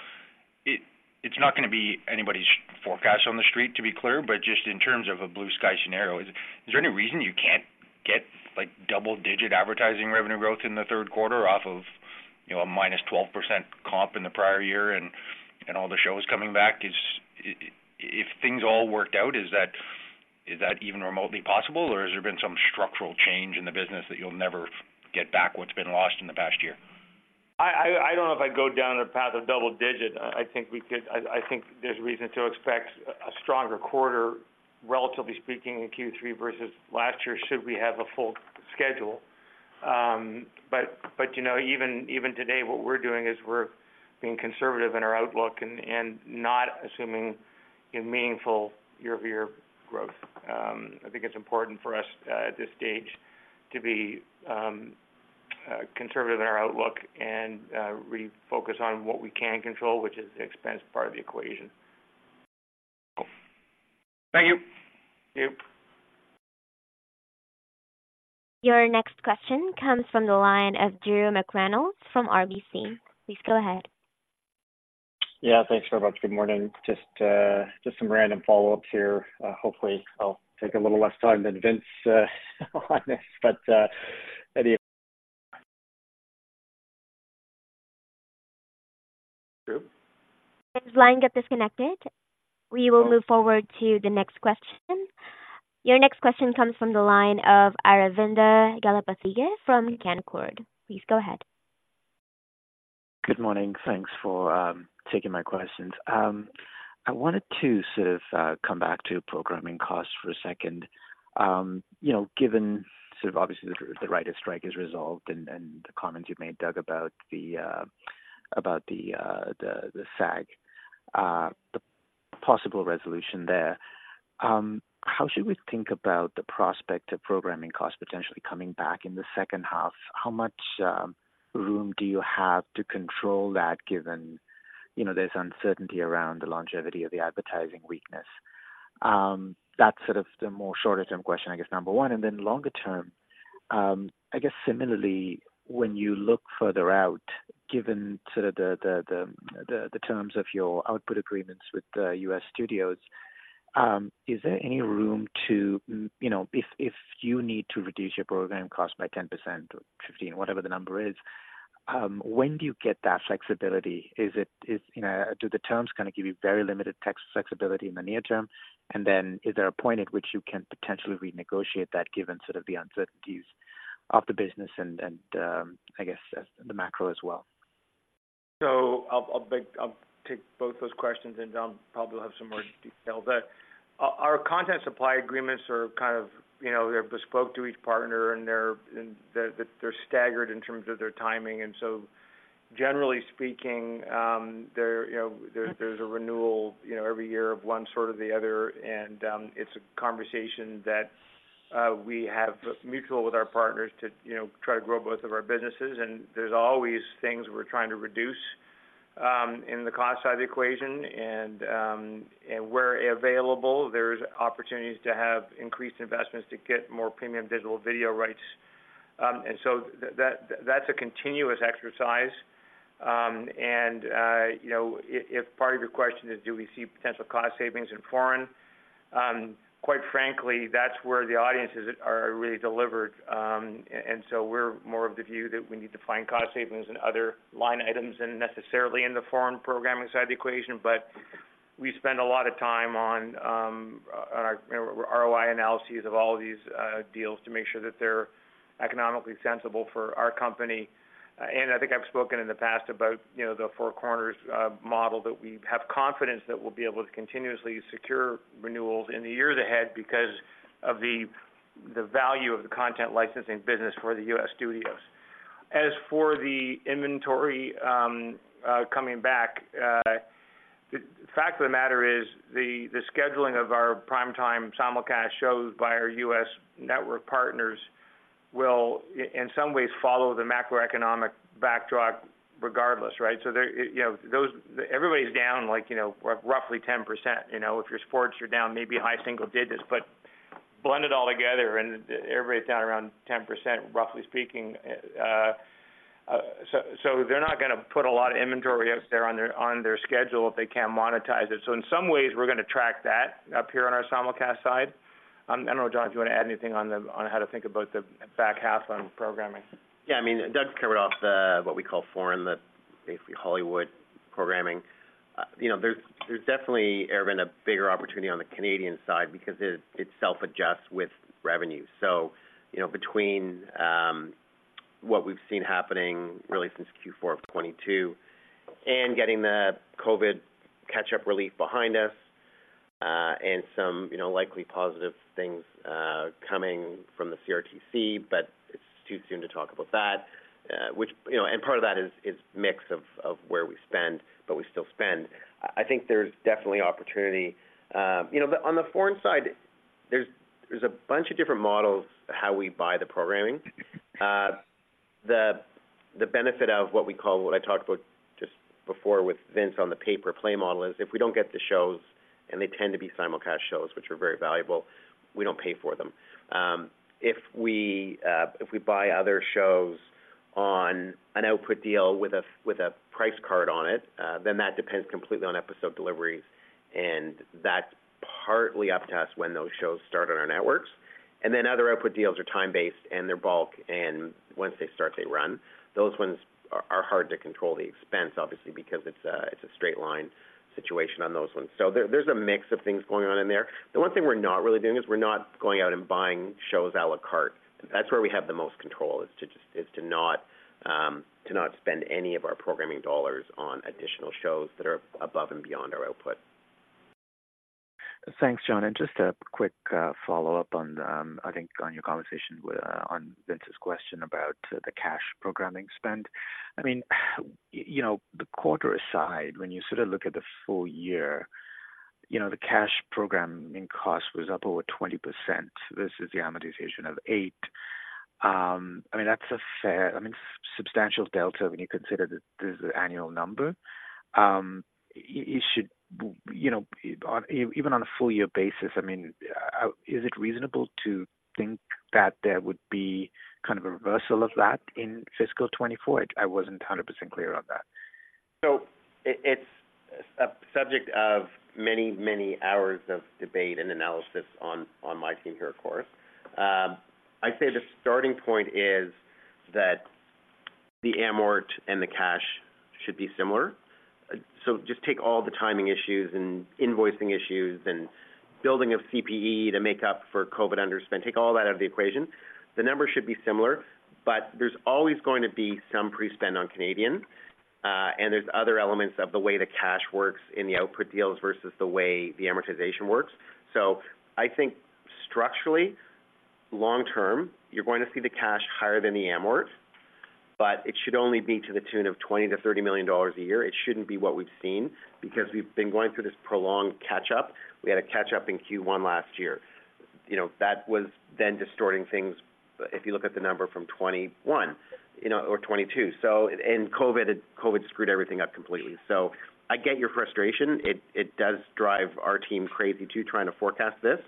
S5: it's not going to be anybody's forecast on the street, to be clear. But just in terms of a blue sky scenario, is there any reason you can't get, like, double-digit advertising revenue growth in the third quarter off of, you know, a minus 12% comp in the prior year and all the shows coming back? If things all worked out, is that even remotely possible, or has there been some structural change in the business that you'll never get back what's been lost in the past year?
S2: I don't know if I'd go down a path of double digit. I think we could... I think there's reason to expect a stronger quarter, relatively speaking, in Q3 versus last year, should we have a full schedule. But you know, even today, what we're doing is we're being conservative in our outlook and not assuming a meaningful year-over-year growth. I think it's important for us at this stage to be conservative in our outlook and refocus on what we can control, which is the expense part of the equation.
S5: Thank you.
S2: Thank you.
S1: Your next question comes from the line of Drew McReynolds from RBC. Please go ahead. Yeah, thanks very much. Good morning. Just some random follow-ups here. Hopefully, I'll take a little less time than Vince on this, but anyway- His line got disconnected. We will move forward to the next question. Your next question comes from the line of Aravinda Galappathige from Canaccord. Please go ahead.
S6: Good morning. Thanks for taking my questions. I wanted to sort of come back to programming costs for a second. You know, given sort of obviously, the writer's strike is resolved and the comments you've made, Doug, about the SAG, the possible resolution there. How should we think about the prospect of programming costs potentially coming back in the second half? How much room do you have to control that, given, you know, there's uncertainty around the longevity of the advertising weakness? That's sort of the more shorter term question, I guess, number one. And then longer term, I guess similarly, when you look further out, given sort of the terms of your output agreements with the US studios, is there any room to, you know, if you need to reduce your program cost by 10% or 15, whatever the number is, when do you get that flexibility? Is it, you know, do the terms kind of give you very limited tactical flexibility in the near term? And then is there a point at which you can potentially renegotiate that, given sort of the uncertainties of the business and, I guess, the macro as well?
S2: So I'll take both those questions, and John probably have some more details. But our content supply agreements are kind of, you know, they're bespoke to each partner, and they're staggered in terms of their timing. And so, generally speaking, there, you know, there's a renewal, you know, every year of one sort or the other, and it's a conversation that we have mutual with our partners to, you know, try to grow both of our businesses, and there's always things we're trying to reduce in the cost side of the equation. And where available, there's opportunities to have increased investments to get more premium digital video rights. And so that, that's a continuous exercise. And you know, if part of your question is, do we see potential cost savings in foreign? Quite frankly, that's where the audiences are really delivered. And so we're more of the view that we need to find cost savings in other line items than necessarily in the foreign programming side of the equation. But we spend a lot of time on our ROI analyses of all of these deals to make sure that they're economically sensible for our company. And I think I've spoken in the past about, you know, the four corners model, that we have confidence that we'll be able to continuously secure renewals in the years ahead because of the value of the content licensing business for the US studios. As for the inventory, coming back, the fact of the matter is, the scheduling of our prime time simulcast shows by our US network partners will, in some ways, follow the macroeconomic backdrop regardless, right? So there, you know, those, everybody's down, like, you know, roughly 10%. You know, if you're sports, you're down maybe high single digits, but blend it all together and everybody's down around 10%, roughly speaking. So they're not going to put a lot of inventory out there on their schedule if they can't monetize it. So in some ways, we're going to track that up here on our simulcast side. I don't know, John, if you want to add anything on how to think about the back half on programming.
S3: Yeah, I mean, Doug covered off the, what we call foreign, the basically Hollywood programming. You know, there's definitely a bigger opportunity on the Canadian side because it self-adjusts with revenue. So, you know, between what we've seen happening really since Q4 of 2022 and getting the COVID catch-up relief behind us, and some, you know, likely positive things coming from the CRTC, but it's too soon to talk about that, which, you know, and part of that is mix of where we spend, but we still spend. I think there's definitely opportunity. You know, but on the foreign side, there's a bunch of different models how we buy the programming. The benefit of what we call, what I talked about just before with Vince on the pay-per-play model, is if we don't get the shows, and they tend to be simulcast shows, which are very valuable, we don't pay for them. If we buy other shows on an output deal with a price card on it, then that depends completely on episode deliveries, and that's partly up to us when those shows start on our networks. Then other output deals are time-based, and they're bulk, and once they start, they run. Those ones are hard to control the expense, obviously, because it's a straight line situation on those ones. So there's a mix of things going on in there. The one thing we're not really doing is we're not going out and buying shows à la carte. That's where we have the most control, is to just, is to not, to not spend any of our programming dollars on additional shows that are above and beyond our output.
S6: Thanks, John. Just a quick follow-up on, I think on your conversation with, on Vince's question about the cash programming spend. I mean, you know, the quarter aside, when you sort of look at the full year, you know, the cash programming cost was up over 20% versus the amortization of 8. I mean, that's a fair, I mean, substantial delta when you consider that this is an annual number. It should, you know, even on a full year basis, I mean, is it reasonable to think that there would be kind of a reversal of that in fiscal 2024? I wasn't 100% clear on that.
S3: So it's a subject of many, many hours of debate and analysis on my team here, of course. I'd say the starting point is that the amort and the cash should be similar. So just take all the timing issues and invoicing issues and building of CPE to make up for COVID underspend. Take all that out of the equation. The numbers should be similar, but there's always going to be some pre-spend on Canadian, and there's other elements of the way the cash works in the output deals versus the way the amortization works. So I think structurally, long term, you're going to see the cash higher than the amort, but it should only be to the tune of $20 million-$30 million a year. It shouldn't be what we've seen, because we've been going through this prolonged catch up. We had a catch up in Q1 last year. You know, that was then distorting things if you look at the number from 2021, you know, or 2022. So, COVID screwed everything up completely. I get your frustration. It does drive our team crazy, too, trying to forecast this,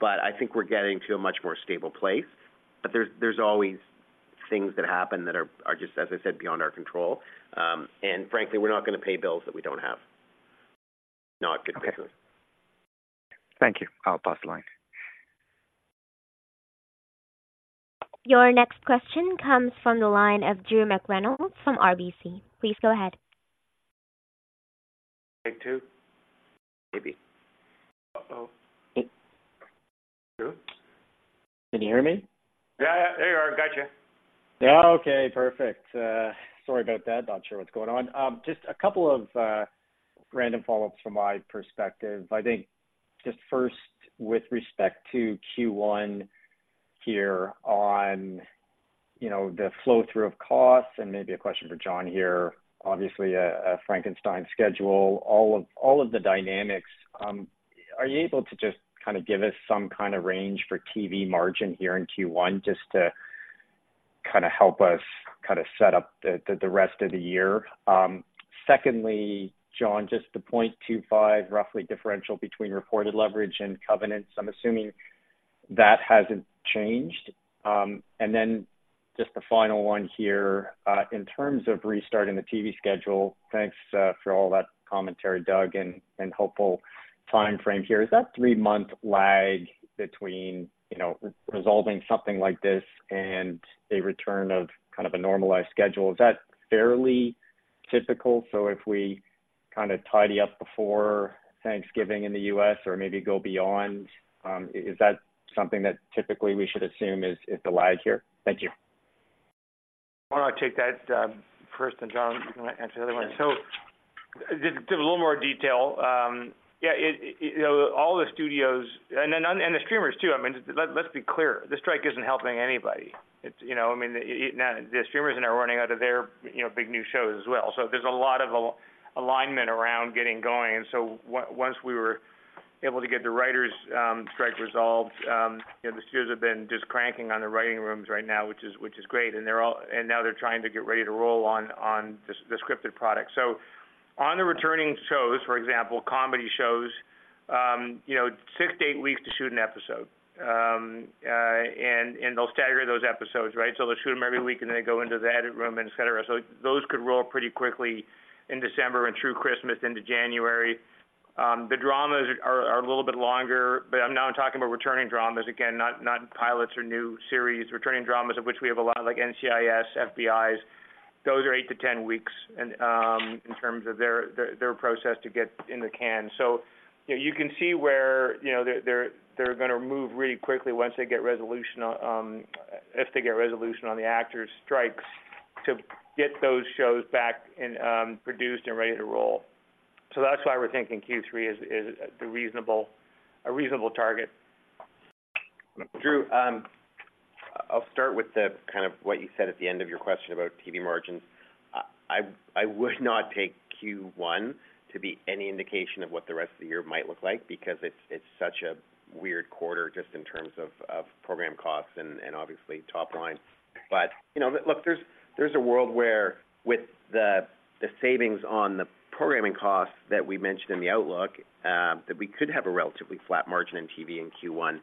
S3: but I think we're getting to a much more stable place. But there's always things that happen that are just, as I said, beyond our control. And frankly, we're not going to pay bills that we don't have.
S6: Okay. Thank you. I'll pass the line.
S1: Your next question comes from the line of Drew McReynolds from RBC. Please go ahead.
S7: Take two.
S3: Maybe.
S2: Uh-oh. Drew?
S7: Can you hear me?
S8: Yeah, there you are. Gotcha.
S7: Okay, perfect. Sorry about that. Not sure what's going on. Just a couple of random follow-ups from my perspective. I think just first, with respect to Q1 here, you know, the flow-through of costs, and maybe a question for John here. Obviously, a Frankenstein schedule, all of the dynamics. Are you able to just kind of give us some kind of range for TV margin here in Q1, just to kind of help us kind of set up the rest of the year? Secondly, John, just the 0.25 roughly differential between reported leverage and covenants, I'm assuming that hasn't changed. And then just a final one here. In terms of restarting the TV schedule, thanks for all that commentary, Doug, and helpful timeframe here. Is that three-month lag between, you know, resolving something like this and a return of kind of a normalized schedule, is that fairly typical? So if we kind of tidy up before Thanksgiving in the US or maybe go beyond, is that something that typically we should assume is, is the lag here? Thank you.
S2: Why don't I take that first, and John, you can answer the other one. So just to give a little more detail, yeah, it, you know, all the studios and the streamers, too. I mean, let's be clear. This strike isn't helping anybody. It's, you know, I mean, the streamers are now running out of their, you know, big new shows as well. So there's a lot of alignment around getting going. And so once we were able to get the writers strike resolved, you know, the studios have been just cranking on the writing rooms right now, which is great. And now they're trying to get ready to roll on the scripted product. So on the returning shows, for example, comedy shows, you know, 6-8 weeks to shoot an episode. And they'll stagger those episodes, right? So they'll shoot them every week, and then they go into the edit room, et cetera. So those could roll pretty quickly in December and through Christmas into January. The dramas are a little bit longer, but I'm now talking about returning dramas again, not pilots or new series. Returning dramas of which we have a lot like NCIS, FBIs, those are 8-10 weeks, and in terms of their process to get in the can. So you can see where, you know, they're going to move really quickly once they get resolution on, if they get resolution on the actors strikes, to get those shows back and produced and ready to roll. So that's why we're thinking Q3 is the reasonable - a reasonable target.
S3: Drew, I'll start with the kind of what you said at the end of your question about TV margins. I would not take Q1 to be any indication of what the rest of the year might look like, because it's such a weird quarter just in terms of program costs and obviously top line. But, you know, look, there's a world where with the savings on the programming costs that we mentioned in the outlook, that we could have a relatively flat margin in TV in Q1.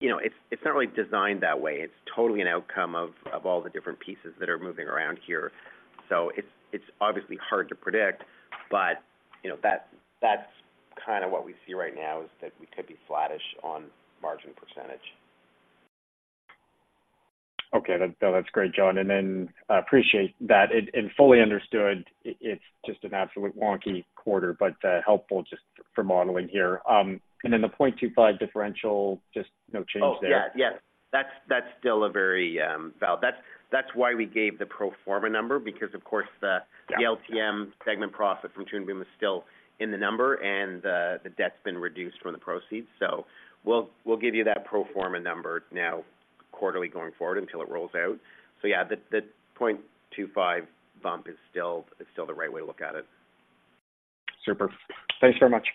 S3: But, you know, it's not really designed that way. It's totally an outcome of all the different pieces that are moving around here. So it's obviously hard to predict, but, you know, that's kind of what we see right now, is that we could be flattish on margin percentage.
S7: Okay, that's great, John, and then I appreciate that and, and fully understood. It's just an absolute wonky quarter, but, helpful just for modeling here. And then the 0.25 differential, just no change there.
S3: Oh, yeah. Yes, that's, that's still a very, That's, that's why we gave the pro forma number, because, of course, the LTM segment profit from Toon Boom is still in the number, and, the debt's been reduced from the proceeds. So we'll, we'll give you that pro forma number now quarterly going forward until it rolls out. So yeah, the, the 0.25 bump is still, is still the right way to look at it.
S7: Superb. Thanks very much.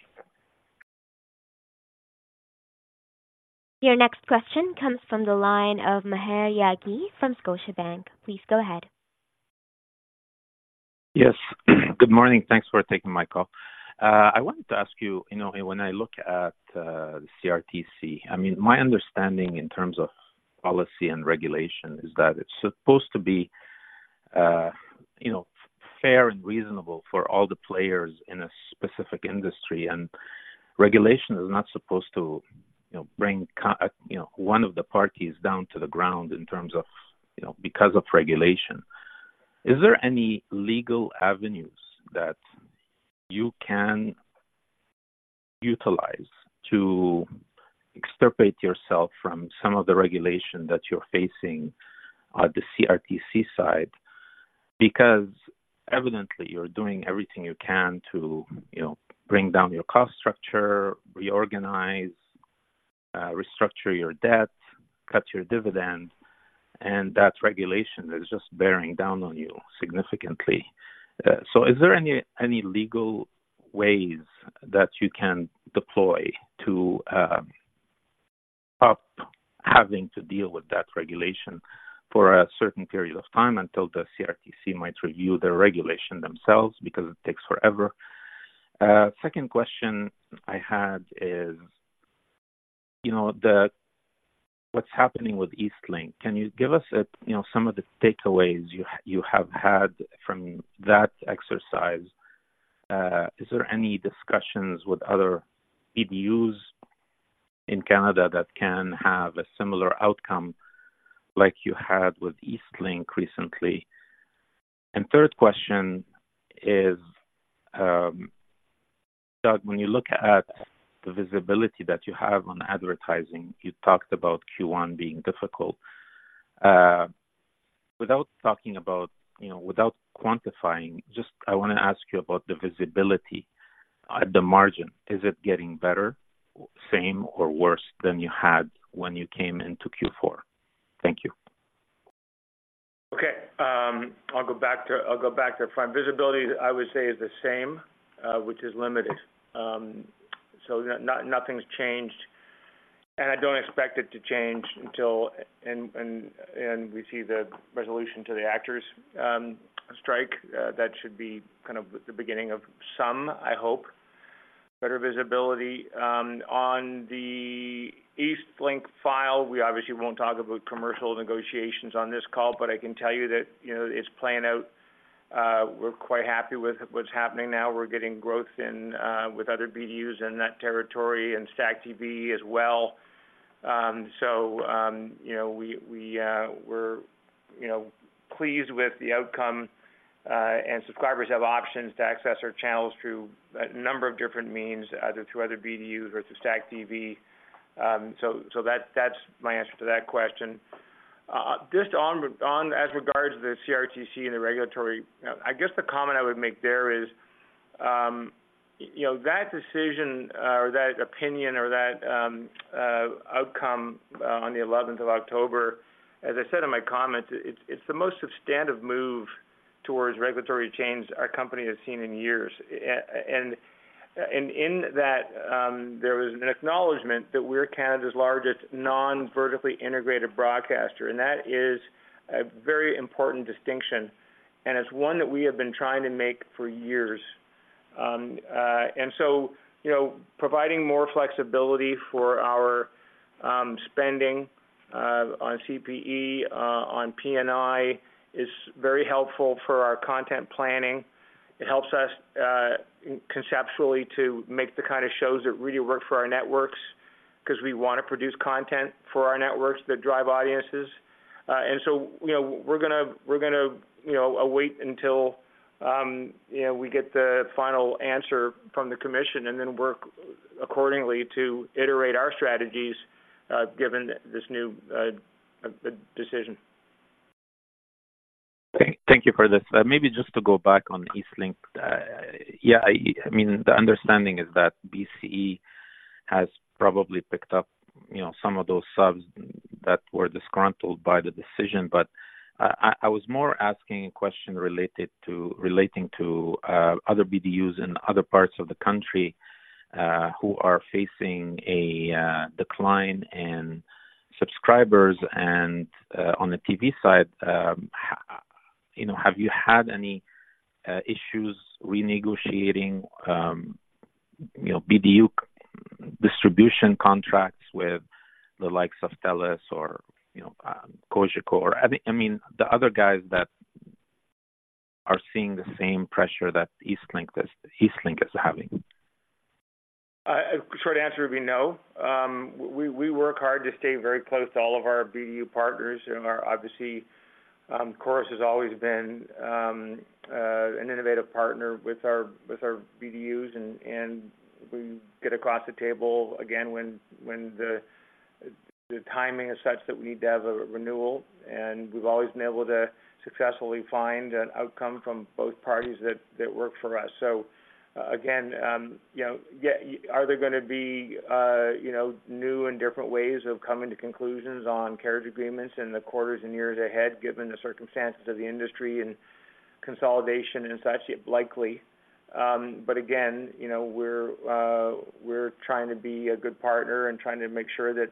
S1: Your next question comes from the line of Maher Yaghi from Scotiabank. Please go ahead.
S9: Yes. Good morning. Thanks for taking my call. I wanted to ask you, you know, when I look at CRTC, I mean, my understanding in terms of policy and regulation is that it's supposed to be, you know, fair and reasonable for all the players in a specific industry. And regulation is not supposed to, you know, bring you know, one of the parties down to the ground in terms of, you know, because of regulation. Is there any legal avenues that you can utilize to extirpate yourself from some of the regulation that you're facing on the CRTC side? Because evidently, you're doing everything you can to, you know, bring down your cost structure, reorganize, restructure your debt, cut your dividend, and that regulation is just bearing down on you significantly. So is there any legal ways that you can deploy to stop having to deal with that regulation for a certain period of time until the CRTC might review the regulation themselves? Because it takes forever. Second question I had is, you know, what's happening with Eastlink. Can you give us a, you know, some of the takeaways you have had from that exercise? Is there any discussions with other BDUs in Canada that can have a similar outcome like you had with Eastlink recently? And third question is, Doug, when you look at the visibility that you have on advertising, you talked about Q1 being difficult. Without talking about, you know, without quantifying, just I want to ask you about the visibility at the margin. Is it getting better, same, or worse than you had when you came into Q4? Thank you.
S2: Okay. I'll go back to front. Visibility, I would say, is the same, which is limited. So nothing's changed, and I don't expect it to change until and we see the resolution to the actors strike. That should be kind of the beginning of some, I hope, better visibility. On the Eastlink file, we obviously won't talk about commercial negotiations on this call, but I can tell you that, you know, it's playing out. We're quite happy with what's happening now. We're getting growth in with other BDUs in that territory and StackTV as well. So, you know, we, we're, you know, pleased with the outcome, and subscribers have options to access our channels through a number of different means, either through other BDUs or through StackTV. So that's my answer to that question. Just on as regards to the CRTC and the regulatory, I guess the comment I would make there is, you know, that decision or that opinion or that outcome on the eleventh of October, as I said in my comments, it's the most substantive move towards regulatory change our company has seen in years. And in that, there was an acknowledgment that we're Canada's largest non-vertically integrated broadcaster, and that is a very important distinction, and it's one that we have been trying to make for years. And so, you know, providing more flexibility for our spending on CPE on PNI is very helpful for our content planning. It helps us conceptually to make the kind of shows that really work for our networks, because we want to produce content for our networks that drive audiences. And so, you know, we're gonna await until you know we get the final answer from the commission and then work accordingly to iterate our strategies given this new decision.
S9: Thank you for this. Maybe just to go back on Eastlink. Yeah, I mean, the understanding is that BCE has probably picked up, you know, some of those subs that were disgruntled by the decision. But I was more asking a question related to other BDUs in other parts of the country who are facing a decline in subscribers and on the TV side, you know, have you had any issues renegotiating, you know, BDU distribution contracts with the likes of TELUS or, you know, Cogeco? I think, I mean, the other guys that are seeing the same pressure that Eastlink is having.
S2: Short answer would be no. We work hard to stay very close to all of our BDU partners. Obviously, Corus has always been an innovative partner with our BDUs, and we get across the table again when the timing is such that we need to have a renewal, and we've always been able to successfully find an outcome from both parties that work for us. So again, you know, yeah, are there going to be new and different ways of coming to conclusions on carriage agreements in the quarters and years ahead, given the circumstances of the industry and consolidation and such? Likely. But again, you know, we're, we're trying to be a good partner and trying to make sure that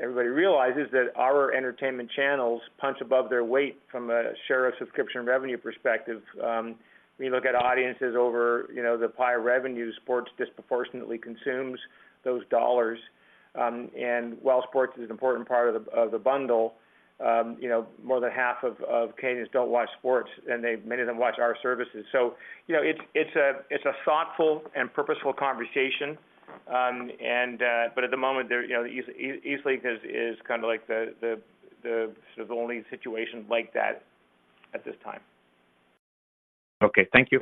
S2: everybody realizes that our entertainment channels punch above their weight from a share of subscription revenue perspective. When you look at audiences over, you know, the higher revenue, sports disproportionately consumes those dollars. And while sports is an important part of the bundle, you know, more than half of Canadians don't watch sports, and they, many of them watch our services. So, you know, it's a thoughtful and purposeful conversation. And but at the moment, there, you know, Eastlink is kind of like the sort of only situation like that at this time.
S9: Okay, thank you.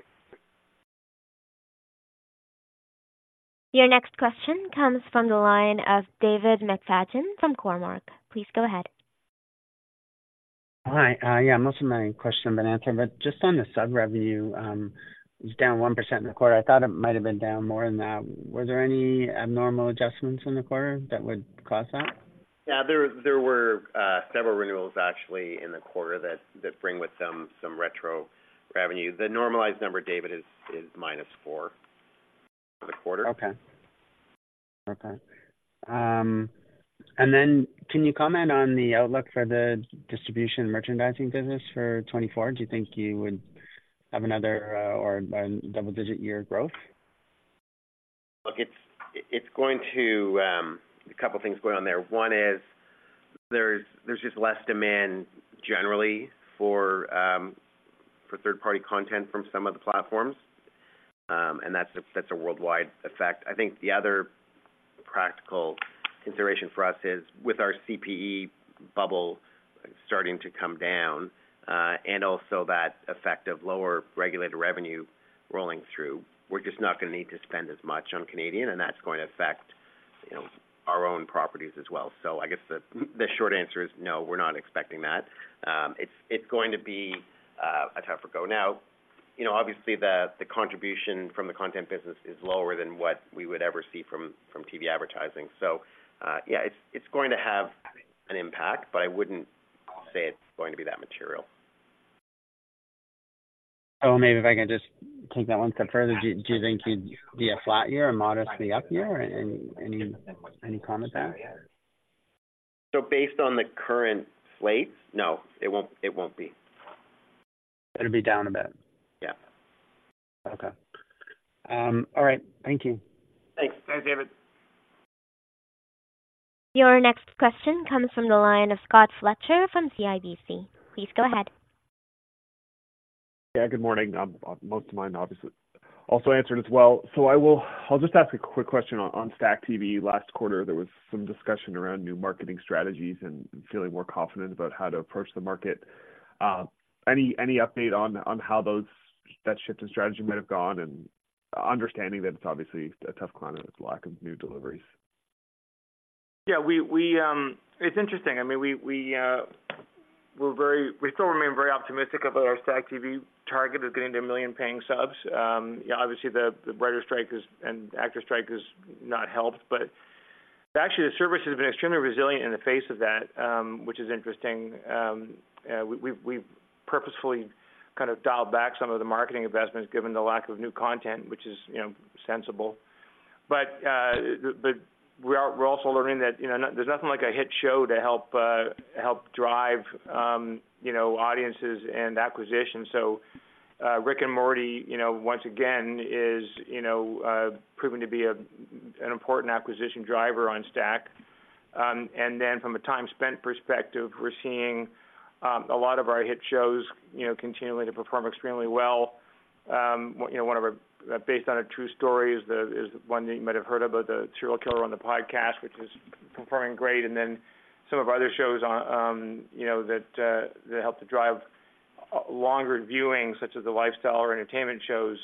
S1: Your next question comes from the line of David McFadgen from Cormark. Please go ahead.
S10: Hi. Yeah, most of my question has been answered, but just on the sub revenue, it's down 1% in the quarter. I thought it might have been down more than that. Was there any abnormal adjustments in the quarter that would cause that?
S2: Yeah, there were several renewals actually in the quarter that bring with them some retro revenue. The normalized number, David, is -4 for the quarter.
S10: Okay. Okay. And then can you comment on the outlook for the distribution merchandising business for 2024? Do you think you would have another, or double-digit year growth?
S2: Look, it's going to. A couple of things going on there. One is there's just less demand generally for third-party content from some of the platforms. And that's a worldwide effect. I think the other practical consideration for us is with our CPE bubble starting to come down, and also that effect of lower regulated revenue rolling through, we're just not going to need to spend as much on Canadian, and that's going to affect-
S3: You know, our own properties as well. So I guess the short answer is no, we're not expecting that. It's going to be a tougher go. Now, you know, obviously, the contribution from the content business is lower than what we would ever see from TV advertising. So, it's going to have an impact, but I wouldn't say it's going to be that material.
S11: Maybe if I can just take that one step further. Do you think you'd be a flat year or modestly up year? Any comment there?
S3: Based on the current slate, no, it won't. It won't be.
S11: It'll be down a bit.
S3: Yeah.
S11: Okay. All right. Thank you.
S3: Thanks.
S2: Thanks, David.
S1: Your next question comes from the line of Scott Fletcher from CIBC. Please go ahead.
S12: Yeah, good morning. Most of mine obviously also answered as well, so I will... I'll just ask a quick question on StackTV. Last quarter, there was some discussion around new marketing strategies and feeling more confident about how to approach the market. Any update on how those, that shift in strategy might have gone? And understanding that it's obviously a tough climate with lack of new deliveries.
S2: Yeah, we. It's interesting. I mean, we're very-- we still remain very optimistic about our StackTV target of getting to 1 million paying subs. Yeah, obviously, the writers strike and actors strike has not helped, but actually the service has been extremely resilient in the face of that, which is interesting. We've purposefully kind of dialed back some of the marketing investments, given the lack of new content, which is, you know, sensible. But we're also learning that, you know, there's nothing like a hit show to help drive, you know, audiences and acquisitions. So, Rick and Morty, you know, once again is, you know, proven to be an important acquisition driver on Stack. And then from a time spent perspective, we're seeing, a lot of our hit shows, you know, continuing to perform extremely well. You know, one of our, Based on a True Story is the, is one that you might have heard of, but the Serial Killer on the Podcast, which is performing great, and then some of our other shows on, you know, that, that help to drive longer viewing, such as the lifestyle or entertainment shows,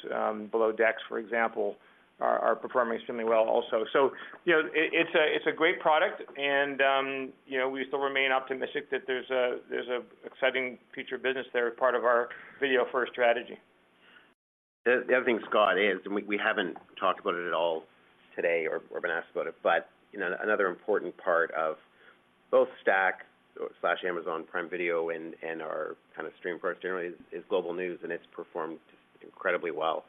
S2: Below Deck, for example, are, are performing extremely well also. So, you know, it's a, it's a great product and, you know, we still remain optimistic that there's a, there's a exciting future business there as part of our video-first strategy.
S3: The other thing, Scott, is, and we haven't talked about it at all today or been asked about it, but you know, another important part of both StackTV/Amazon Prime Video and our kind of stream product generally is Global News, and it's performed incredibly well,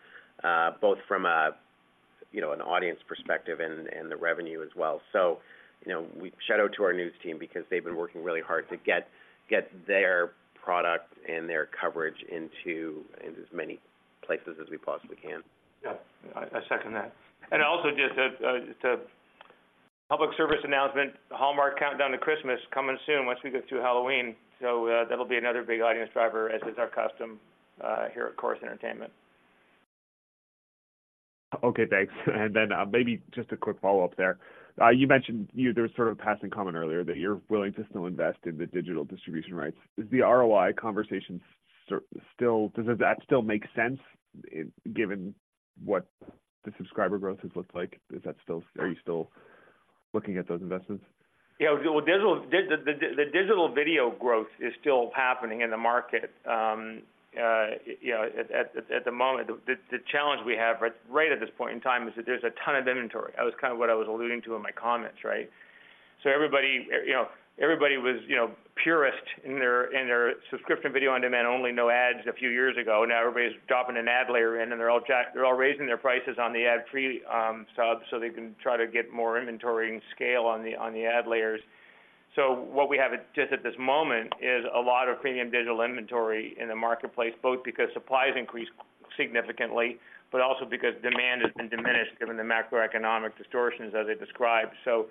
S3: both from a, you know, an audience perspective and the revenue as well. So, you know, we shout out to our news team because they've been working really hard to get their product and their coverage into as many places as we possibly can.
S2: Yeah, I second that. And also just a public service announcement, Hallmark Countdown to Christmas coming soon, once we get through Halloween. So, that'll be another big audience driver, as is our custom, here at Corus Entertainment.
S12: Okay, thanks. And then, maybe just a quick follow-up there. You mentioned there was sort of a passing comment earlier that you're willing to still invest in the digital distribution rights. Is the ROI conversation still—does that still make sense, given what the subscriber growth has looked like? Is that still... Are you still looking at those investments?
S2: Yeah, well, digital, the digital video growth is still happening in the market. You know, at the moment, the challenge we have right at this point in time is that there's a ton of inventory. That was kind of what I was alluding to in my comments, right? So everybody, you know, everybody was, you know, purist in their subscription, video-on-demand, only no ads a few years ago. Now everybody's dropping an ad layer in, and they're all jack-- they're all raising their prices on the ad-free, subs, so they can try to get more inventory and scale on the ad layers. So what we have just at this moment is a lot of premium digital inventory in the marketplace, both because supply has increased significantly, but also because demand has been diminished given the macroeconomic distortions as I described. So,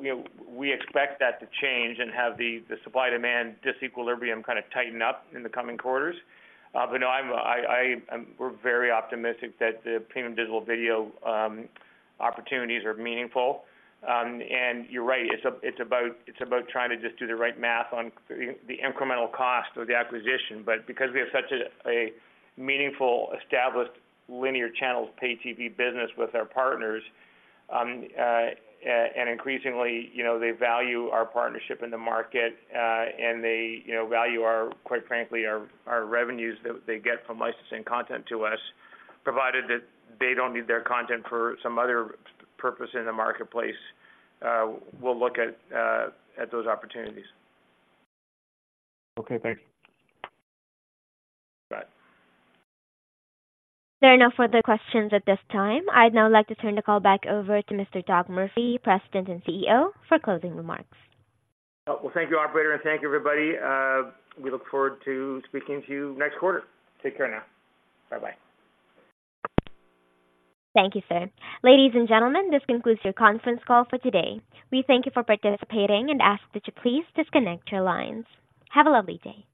S2: you know, we expect that to change and have the supply/demand disequilibrium kind of tighten up in the coming quarters. But no, we're very optimistic that the premium digital video opportunities are meaningful. And you're right, it's about trying to just do the right math on the incremental cost of the acquisition. But because we have such a meaningful, established linear channels pay TV business with our partners, and increasingly, you know, they value our partnership in the market, and they, you know, value our, quite frankly, our revenues that they get from licensing content to us, provided that they don't need their content for some other purpose in the marketplace, we'll look at those opportunities.
S12: Okay, thanks.
S2: Bye.
S1: There are no further questions at this time. I'd now like to turn the call back over to Mr. Doug Murphy, President and CEO, for closing remarks.
S3: Well, thank you, operator, and thank you, everybody. We look forward to speaking to you next quarter.
S2: Take care now.
S3: Bye-bye.
S1: Thank you, sir. Ladies and gentlemen, this concludes your conference call for today. We thank you for participating and ask that you please disconnect your lines. Have a lovely day.